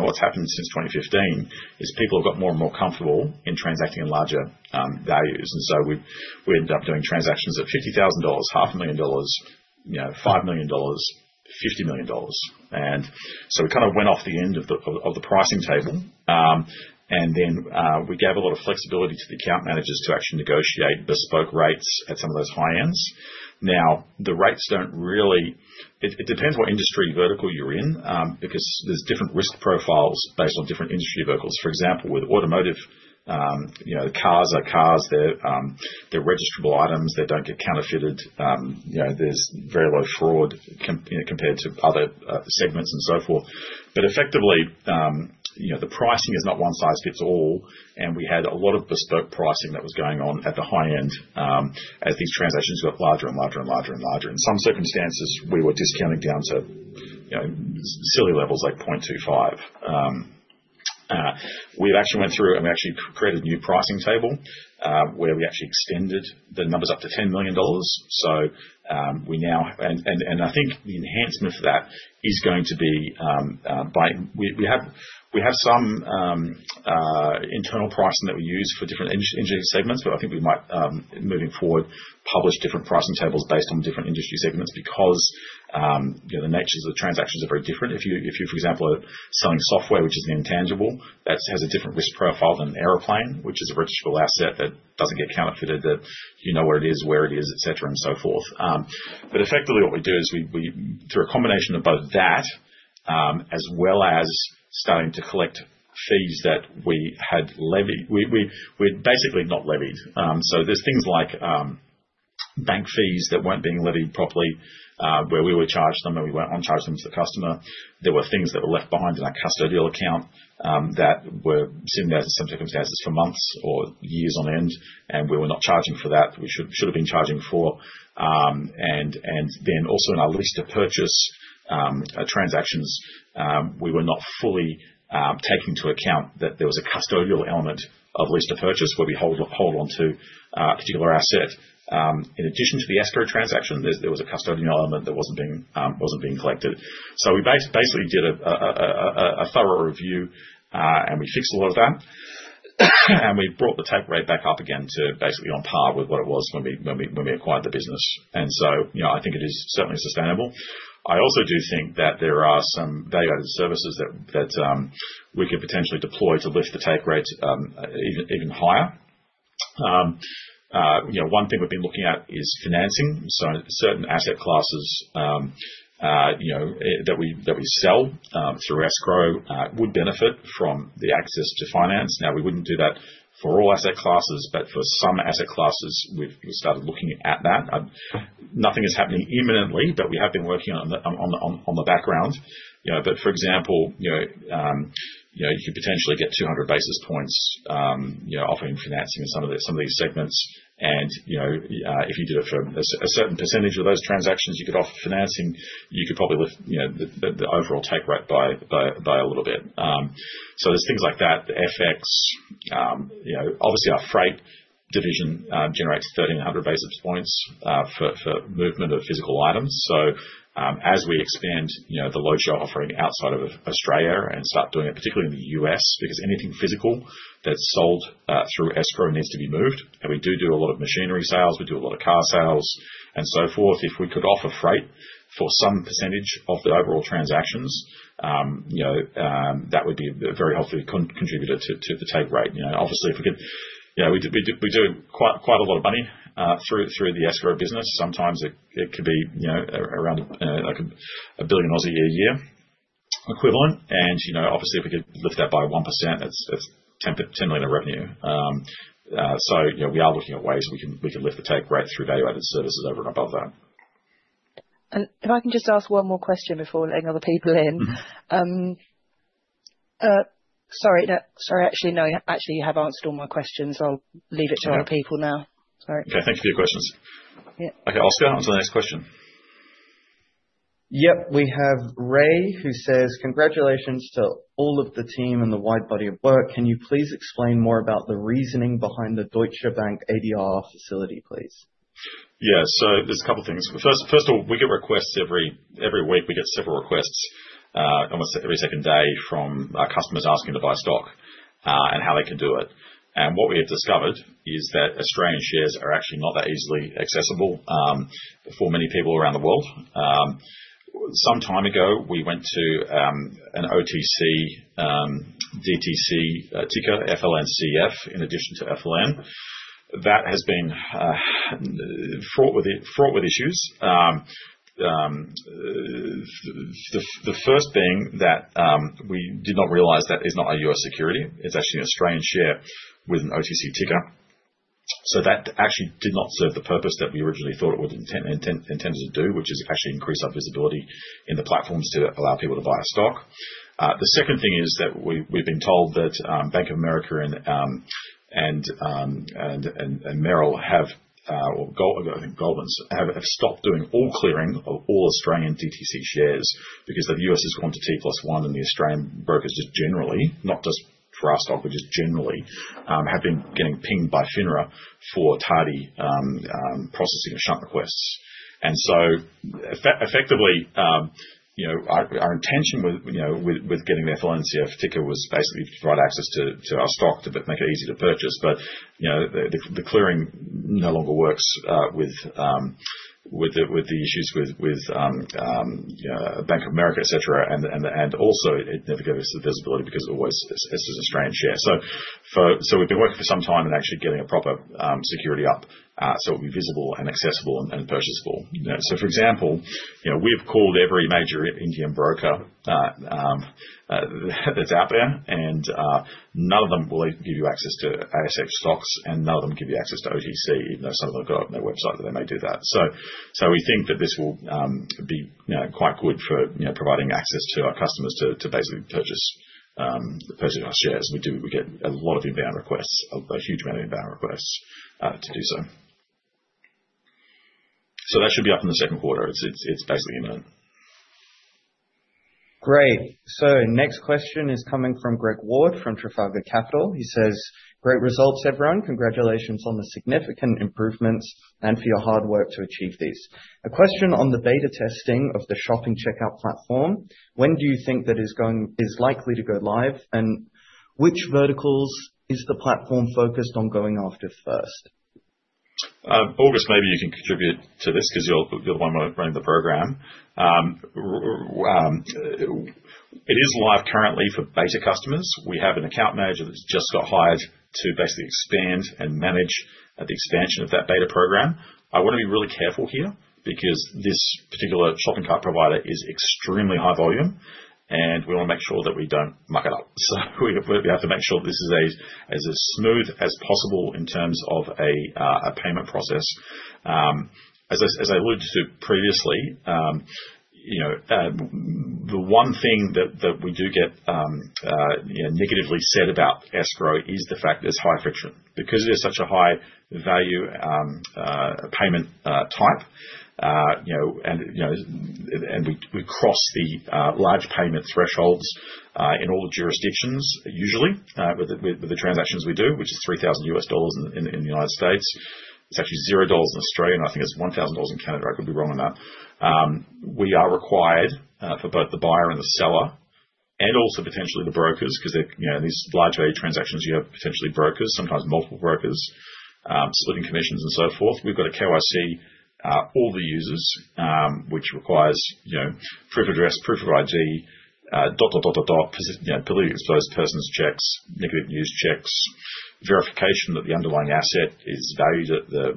What has happened since 2015 is people have got more and more comfortable in transacting in larger values. We ended up doing transactions at $50,000, $500,000, $5 million, $50 million. We kind of went off the end of the pricing table. We gave a lot of flexibility to the account managers to actually negotiate bespoke rates at some of those high ends. The rates do not really—it depends what industry vertical you are in because there are different risk profiles based on different industry verticals. For example, with automotive, cars are cars. They are registrable items. They do not get counterfeited. There is very low fraud compared to other segments and so forth. Effectively, the pricing is not one size fits all. We had a lot of bespoke pricing that was going on at the high end as these transactions got larger and larger and larger and larger. In some circumstances, we were discounting down to silly levels like 0.25%. We actually went through and we actually created a new pricing table where we actually extended the numbers up to $10 million. We now, and I think the enhancement for that is going to be by, we have some internal pricing that we use for different industry segments, but I think we might, moving forward, publish different pricing tables based on different industry segments because the nature of the transactions are very different. If you, for example, are selling software, which is an intangible, that has a different risk profile than an airplane, which is a registrable asset that does not get counterfeited, that you know where it is, where it is, etc., and so forth. Effectively, what we do is we, through a combination of both that as well as starting to collect fees that we had levied, we had basically not levied. There are things like bank fees that were not being levied properly where we were charged them and we were not on charging them to the customer. There were things that were left behind in our custodial account that were sitting there in some circumstances for months or years on end, and we were not charging for that. We should have been charging for that. Also, in our lease-to-purchase transactions, we were not fully taking into account that there was a custodial element of lease-to-purchase where we hold on to a particular asset. In addition to the escrow transaction, there was a custodial element that was not being collected. We basically did a thorough review, and we fixed a lot of that. We brought the take rate back up again to basically on par with what it was when we acquired the business. I think it is certainly sustainable. I also do think that there are some value-added services that we could potentially deploy to lift the take rate even higher. One thing we've been looking at is financing. Certain asset classes that we sell through escrow would benefit from the access to finance. Now, we wouldn't do that for all asset classes, but for some asset classes, we've started looking at that. Nothing is happening imminently, but we have been working on the background. For example, you could potentially get 200 basis points offering financing in some of these segments. If you did it for a certain percentage of those transactions, you could offer financing, you could probably lift the overall take rate by a little bit. There are things like that, the FX. Obviously, our freight division generates 1,300 basis points for movement of physical items. As we expand the Loadshift offering outside of Australia and start doing it, particularly in the U.S., because anything physical that's sold through Escrow needs to be moved. We do do a lot of machinery sales. We do a lot of car sales and so forth. If we could offer freight for some percentage of the overall transactions, that would be a very healthy contributor to the take rate. Obviously, we do quite a lot of money through the escrow business. Sometimes it could be around 1 billion dollars a year equivalent. Obviously, if we could lift that by 1%, that's 10 million in revenue. We are looking at ways we can lift the take rate through value-added services over and above that. If I can just ask one more question before letting other people in. Sorry. No, sorry. Actually, no, actually, you have answered all my questions. I'll leave it to other people now. Sorry. Okay. Thank you for your questions. Okay, Oscar, on to the next question. Yep. We have Ray, who says, "Congratulations to all of the team and the wide body of work. Can you please explain more about the reasoning behind the Deutsche Bank ADR facility, please"? Yeah. There are a couple of things. First of all, we get requests every week. We get several requests almost every second day from our customers asking to buy stock and how they can do it. What we have discovered is that Australian shares are actually not that easily accessible for many people around the world. Some time ago, we went to an OTC DTC ticker, FLNCF, in addition to FLN. That has been fraught with issues. The first being that we did not realize that is not a U.S. security. It is actually an Australian share with an OTC ticker. That actually did not serve the purpose that we originally thought it was intended to do, which is actually increase our visibility in the platforms to allow people to buy stock. The second thing is that we've been told that Bank of America and Merrill have stopped doing all clearing of all Australian DTC shares because the U.S. has gone to T+1 and the Australian brokers just generally, not just for our stock, but just generally have been getting pinged by FINRA for tardy processing of shunt requests. Effectively, our intention with getting the FLNCF ticker was basically to provide access to our stock to make it easier to purchase. The clearing no longer works with the issues with Bank of America, etc. Also, it never gave us the visibility because it's always this is an Australian share. We've been working for some time and actually getting a proper security up so it'll be visible and accessible and purchasable. For example, we have called every major Indian broker that's out there, and none of them will give you access to ASX stocks, and none of them give you access to OTC, even though some of them have got on their website that they may do that. We think that this will be quite good for providing access to our customers to basically purchase our shares. We get a lot of inbound requests, a huge amount of inbound requests to do so. That should be up in the second quarter. It's basically imminent. Great. The next question is coming from Greg Ward from Trafalgar Capital. He says, "Great results, everyone. Congratulations on the significant improvements and for your hard work to achieve these. A question on the beta testing of the shopping checkout platform. When do you think that is likely to go live? Which verticals is the platform focused on going after first? August, maybe you can contribute to this because you're the one running the program. It is live currently for beta customers. We have an account manager that's just got hired to basically expand and manage the expansion of that beta program. I want to be really careful here because this particular shopping cart provider is extremely high volume, and we want to make sure that we don't muck it up. We have to make sure this is as smooth as possible in terms of a payment process. As I alluded to previously, the one thing that we do get negatively said about Escrow.com is the fact that there's high friction because there's such a high value payment type. We cross the large payment thresholds in all jurisdictions usually with the transactions we do, which is $3,000 in the United States. It's actually 0 dollars in Australia. I think it's 1,000 dollars in Canada. I could be wrong on that. We are required for both the buyer and the seller and also potentially the brokers because these large value transactions, you have potentially brokers, sometimes multiple brokers, splitting commissions, and so forth. We've got a KYC of all the users, which requires proof of address, proof of ID, dot, dot, dot, dot, dot, politically exposed persons checks, negative news checks, verification that the underlying asset is valued at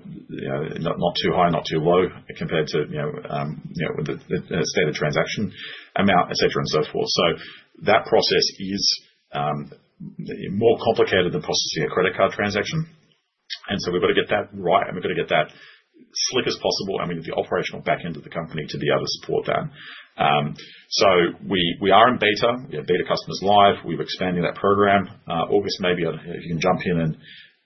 not too high, not too low compared to the standard transaction amount, etc., and so forth. That process is more complicated than processing a credit card transaction. We've got to get that right, and we've got to get that slick as possible, and we need the operational back end of the company to be able to support that. We are in beta. We have beta customers live. We're expanding that program. August, maybe you can jump in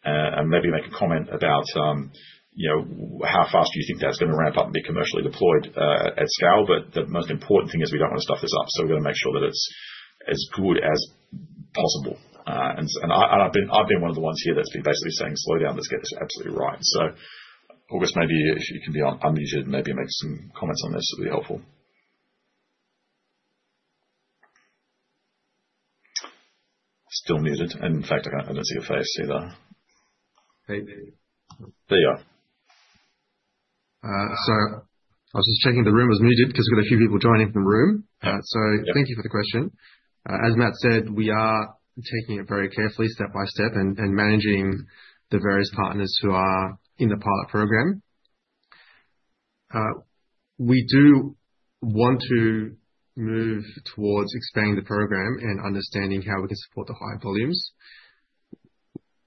and maybe make a comment about how fast do you think that's going to ramp up and be commercially deployed at scale. The most important thing is we don't want to stuff this up. We have to make sure that it's as good as possible. I've been one of the ones here that's been basically saying, "Slow down. Let's get this absolutely right." August, maybe if you can be unmuted, maybe make some comments on this would be helpful. Still muted. In fact, I don't see your face either. Hey. There you are. I was just checking the room was muted because we've got a few people joining from the room. Thank you for the question. As Matt said, we are taking it very carefully, step by step, and managing the various partners who are in the pilot program. We do want to move towards expanding the program and understanding how we can support the high volumes.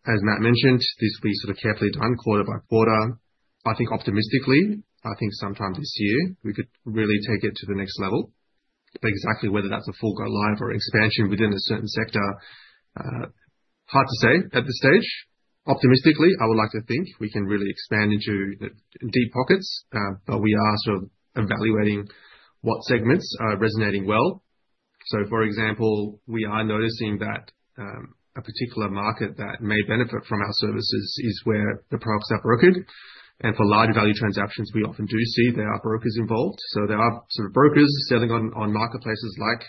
As Matt mentioned, this will be sort of carefully done quarter by quarter. I think optimistically, I think sometime this year, we could really take it to the next level. Exactly whether that's a full-go-live or expansion within a certain sector, hard to say at this stage. Optimistically, I would like to think we can really expand into deep pockets, but we are sort of evaluating what segments are resonating well. For example, we are noticing that a particular market that may benefit from our services is where the products are broken. For large value transactions, we often do see there are brokers involved. There are sort of brokers selling on marketplaces like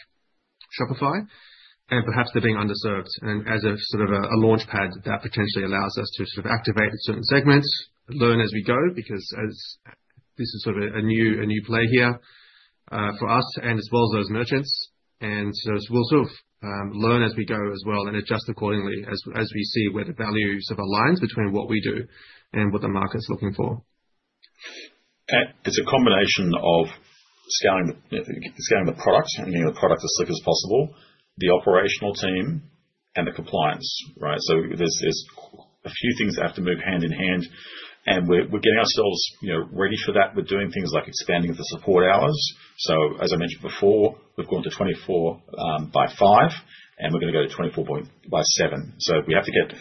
Shopify, and perhaps they're being underserved. As a sort of a launchpad, that potentially allows us to sort of activate certain segments, learn as we go because this is sort of a new play here for us and as well as those merchants. We will sort of learn as we go as well and adjust accordingly as we see where the value sort of aligns between what we do and what the market's looking for. It's a combination of scaling the product, making the product as slick as possible, the operational team, and the compliance, right? There are a few things that have to move hand in hand. We're getting ourselves ready for that. We're doing things like expanding the support hours. As I mentioned before, we've gone to 24 by 5, and we're going to go to 24 by 7. We have to get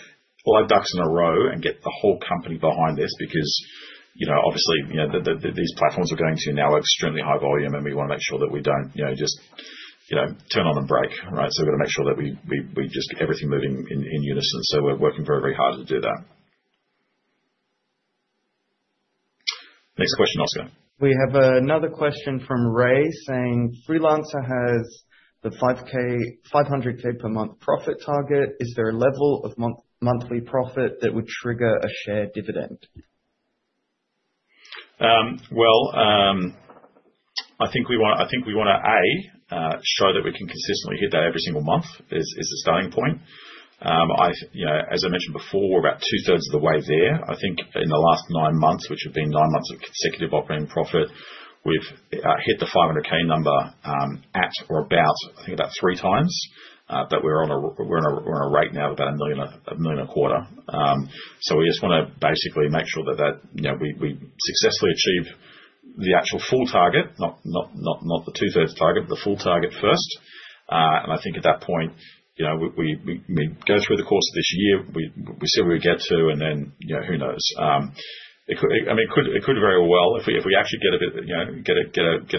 all our ducks in a row and get the whole company behind this because obviously these platforms we're going to now are extremely high volume, and we want to make sure that we don't just turn on and break, right? We have to make sure that we just get everything moving in unison. We're working very, very hard to do that. Next question, Oscar. We have another question from Ray saying, "Freelancer has the $500,000 per month profit target. Is there a level of monthly profit that would trigger a share dividend"? I think we want to, A, show that we can consistently hit that every single month is the starting point. As I mentioned before, we're about two-thirds of the way there. I think in the last nine months, which have been nine months of consecutive operating profit, we've hit the $500,000 number at or about, I think, about three times. We are on a rate now of about $1,250,000. We just want to basically make sure that we successfully achieve the actual full target, not the two-thirds target, but the full target first. I think at that point, we go through the course of this year, we see where we get to, and then who knows? I mean, it could very well, if we actually get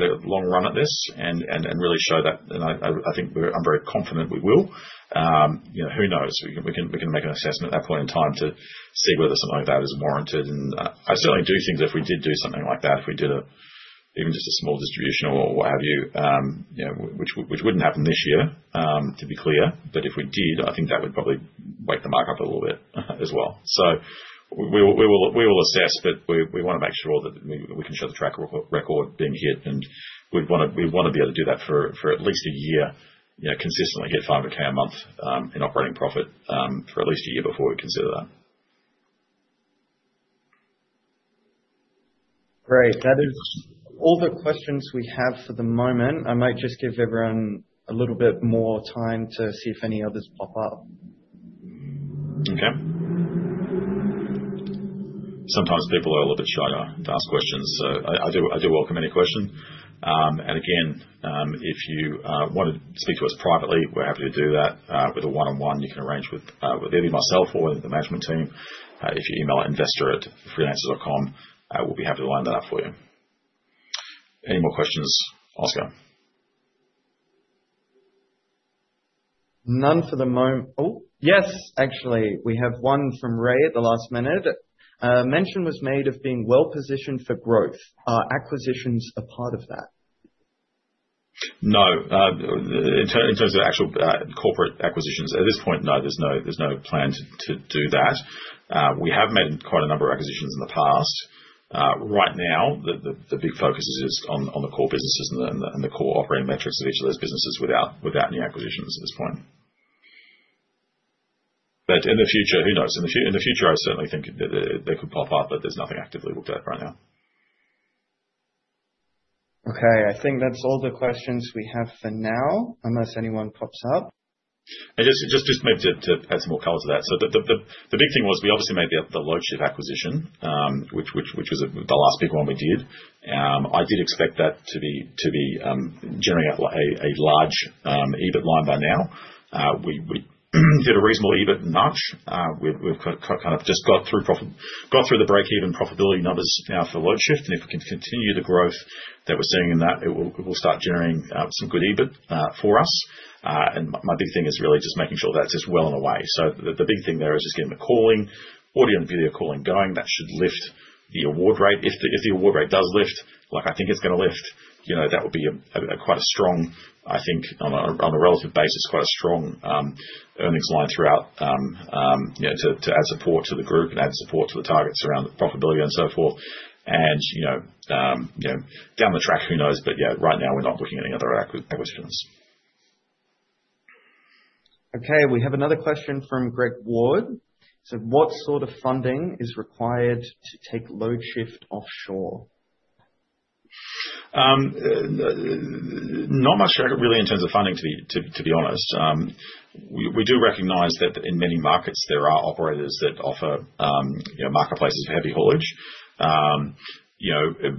a long run at this and really show that. I think I'm very confident we will. Who knows? We can make an assessment at that point in time to see whether something like that is warranted. I certainly do think that if we did do something like that, if we did even just a small distribution or what have you, which would not happen this year, to be clear. If we did, I think that would probably wake the market up a little bit as well. We will assess, but we want to make sure that we can show the track record being hit. We want to be able to do that for at least a year, consistently get $500,000 a month in operating profit for at least a year before we consider that. Great. That is all the questions we have for the moment. I might just give everyone a little bit more time to see if any others pop up. Okay. Sometimes people are a little bit shy to ask questions. I do welcome any question. Again, if you want to speak to us privately, we're happy to do that with a one-on-one. You can arrange with either myself or the management team. If you email investor@freelancer.com, we'll be happy to line that up for you. Any more questions, Oscar? None for the moment. Oh, yes, actually. We have one from Ray at the last minute. Mention was made of being well-positioned for growth. Are acquisitions a part of that? No. In terms of actual corporate acquisitions, at this point, no, there is no plan to do that. We have made quite a number of acquisitions in the past. Right now, the big focus is on the core businesses and the core operating metrics of each of those businesses without new acquisitions at this point. In the future, who knows? In the future, I certainly think that they could pop up, but there is nothing actively looked at right now. Okay. I think that's all the questions we have for now, unless anyone pops up. Just maybe to add some more colors to that. The big thing was we obviously made the Loadshift acquisition, which was the last big one we did. I did expect that to be generating a large EBIT line by now. We did a reasonable EBIT notch. We've kind of just got through the break-even profitability numbers now for Loadshift. If we can continue the growth that we're seeing in that, it will start generating some good EBIT for us. My big thing is really just making sure that's just well on the way. The big thing there is just getting the calling, audit and video calling going. That should lift the award rate. If the award rate does lift, like I think it's going to lift, that would be quite a strong, I think, on a relative basis, quite a strong earnings line throughout to add support to the group and add support to the targets around profitability and so forth. Down the track, who knows? Yeah, right now, we're not looking at any other acquisitions. Okay. We have another question from Greg Ward. He said, "What sort of funding is required to take Loadshift offshore? Not much really in terms of funding, to be honest. We do recognize that in many markets, there are operators that offer marketplaces for heavy haulage.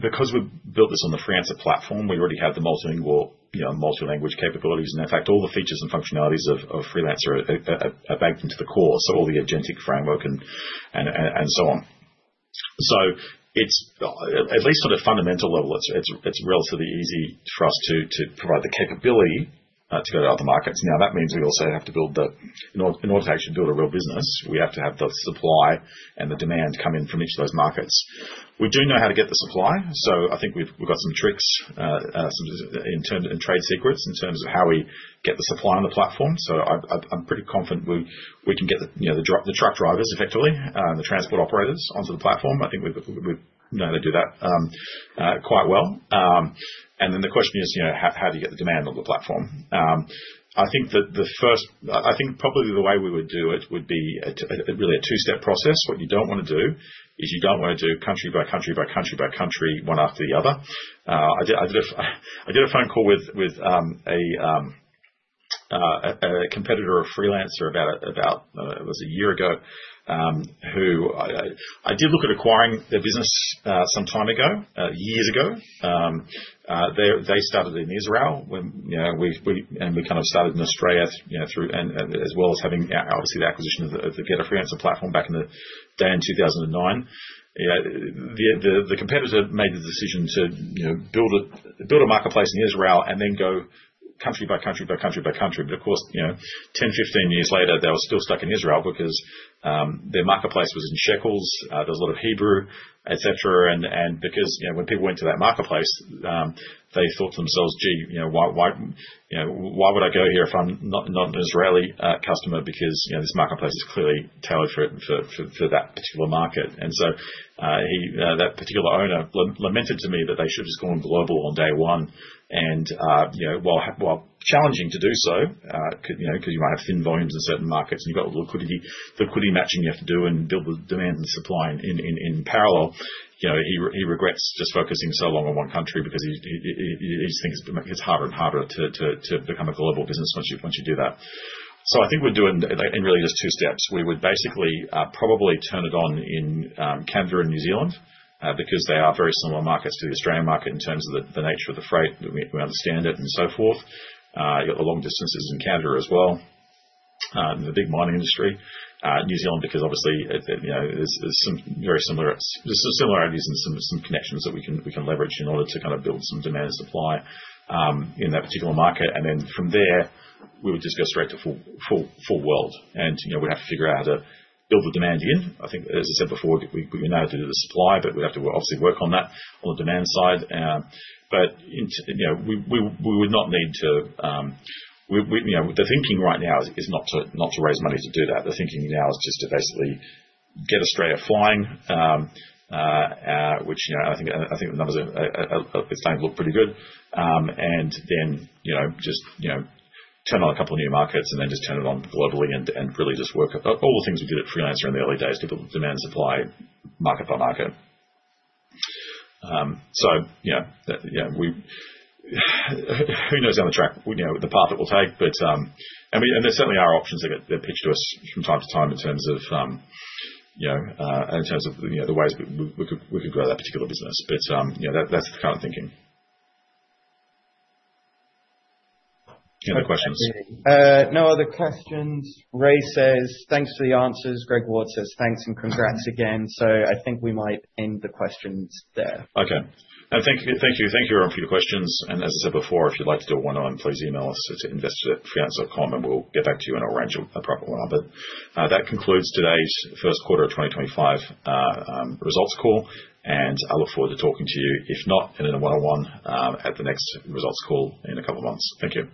Because we've built this on the Freelancer platform, we already have the multilingual multilanguage capabilities. In fact, all the features and functionalities of Freelancer are baked into the core, so all the agentic framework and so on. At least on a fundamental level, it's relatively easy for us to provide the capability to go to other markets. That means we also have to build the, in order to actually build a real business, we have to have the supply and the demand come in from each of those markets. We do know how to get the supply. I think we've got some tricks and trade secrets in terms of how we get the supply on the platform. I'm pretty confident we can get the truck drivers, effectively, the transport operators onto the platform. I think we know how to do that quite well. The question is, how do you get the demand on the platform? I think probably the way we would do it would be really a two-step process. What you don't want to do is you don't want to do country by country by country by country, one after the other. I did a phone call with a competitor of Freelancer about, it was a year ago, who I did look at acquiring their business some time ago, years ago. They started in Israel, and we kind of started in Australia as well as having, obviously, the acquisition of the Get a Freelancer platform back in the day in 2009. The competitor made the decision to build a marketplace in Israel and then go country by country by country by country. Of course, 10, 15 years later, they were still stuck in Israel because their marketplace was in shekels. There was a lot of Hebrew, etc. Because when people went to that marketplace, they thought to themselves, "Gee, why would I go here if I'm not an Israeli customer? Because this marketplace is clearly tailored for that particular market." That particular owner lamented to me that they should have just gone global on day one. While challenging to do so, because you might have thin volumes in certain markets and you have got liquidity matching you have to do and build the demand and the supply in parallel, he regrets just focusing so long on one country because he just thinks it is harder and harder to become a global business once you do that. I think we are doing it in really just two steps. We would basically probably turn it on in Australia and New Zealand because they are very similar markets to the Australian market in terms of the nature of the freight. We understand it and so forth. You have got the long distances in Australia as well. The big mining industry, New Zealand, because obviously there are some very similarities and some connections that we can leverage in order to kind of build some demand and supply in that particular market. From there, we would just go straight to full world. We would have to figure out how to build the demand in. I think, as I said before, we know how to do the supply, but we have to obviously work on that on the demand side. We would not need to, the thinking right now is not to raise money to do that. The thinking now is just to basically get Australia flying, which I think the numbers are starting to look pretty good. Then just turn on a couple of new markets and just turn it on globally and really just work all the things we did at Freelancer in the early days, demand and supply, market by market. Who knows down the track the path it will take? There certainly are options that get pitched to us from time to time in terms of the ways we could grow that particular business. That is the kind of thinking. Any other questions? No other questions. Ray says, "Thanks for the answers." Greg Ward says, "Thanks and congrats again." I think we might end the questions there. Okay. Thank you everyone for your questions. As I said before, if you'd like to do a one-on-one, please email us at investor@freelancer.com, and we'll get back to you in a proper one-on-one. That concludes today's first quarter of 2025 results call. I look forward to talking to you, if not in a one-on-one, at the next results call in a couple of months. Thank you.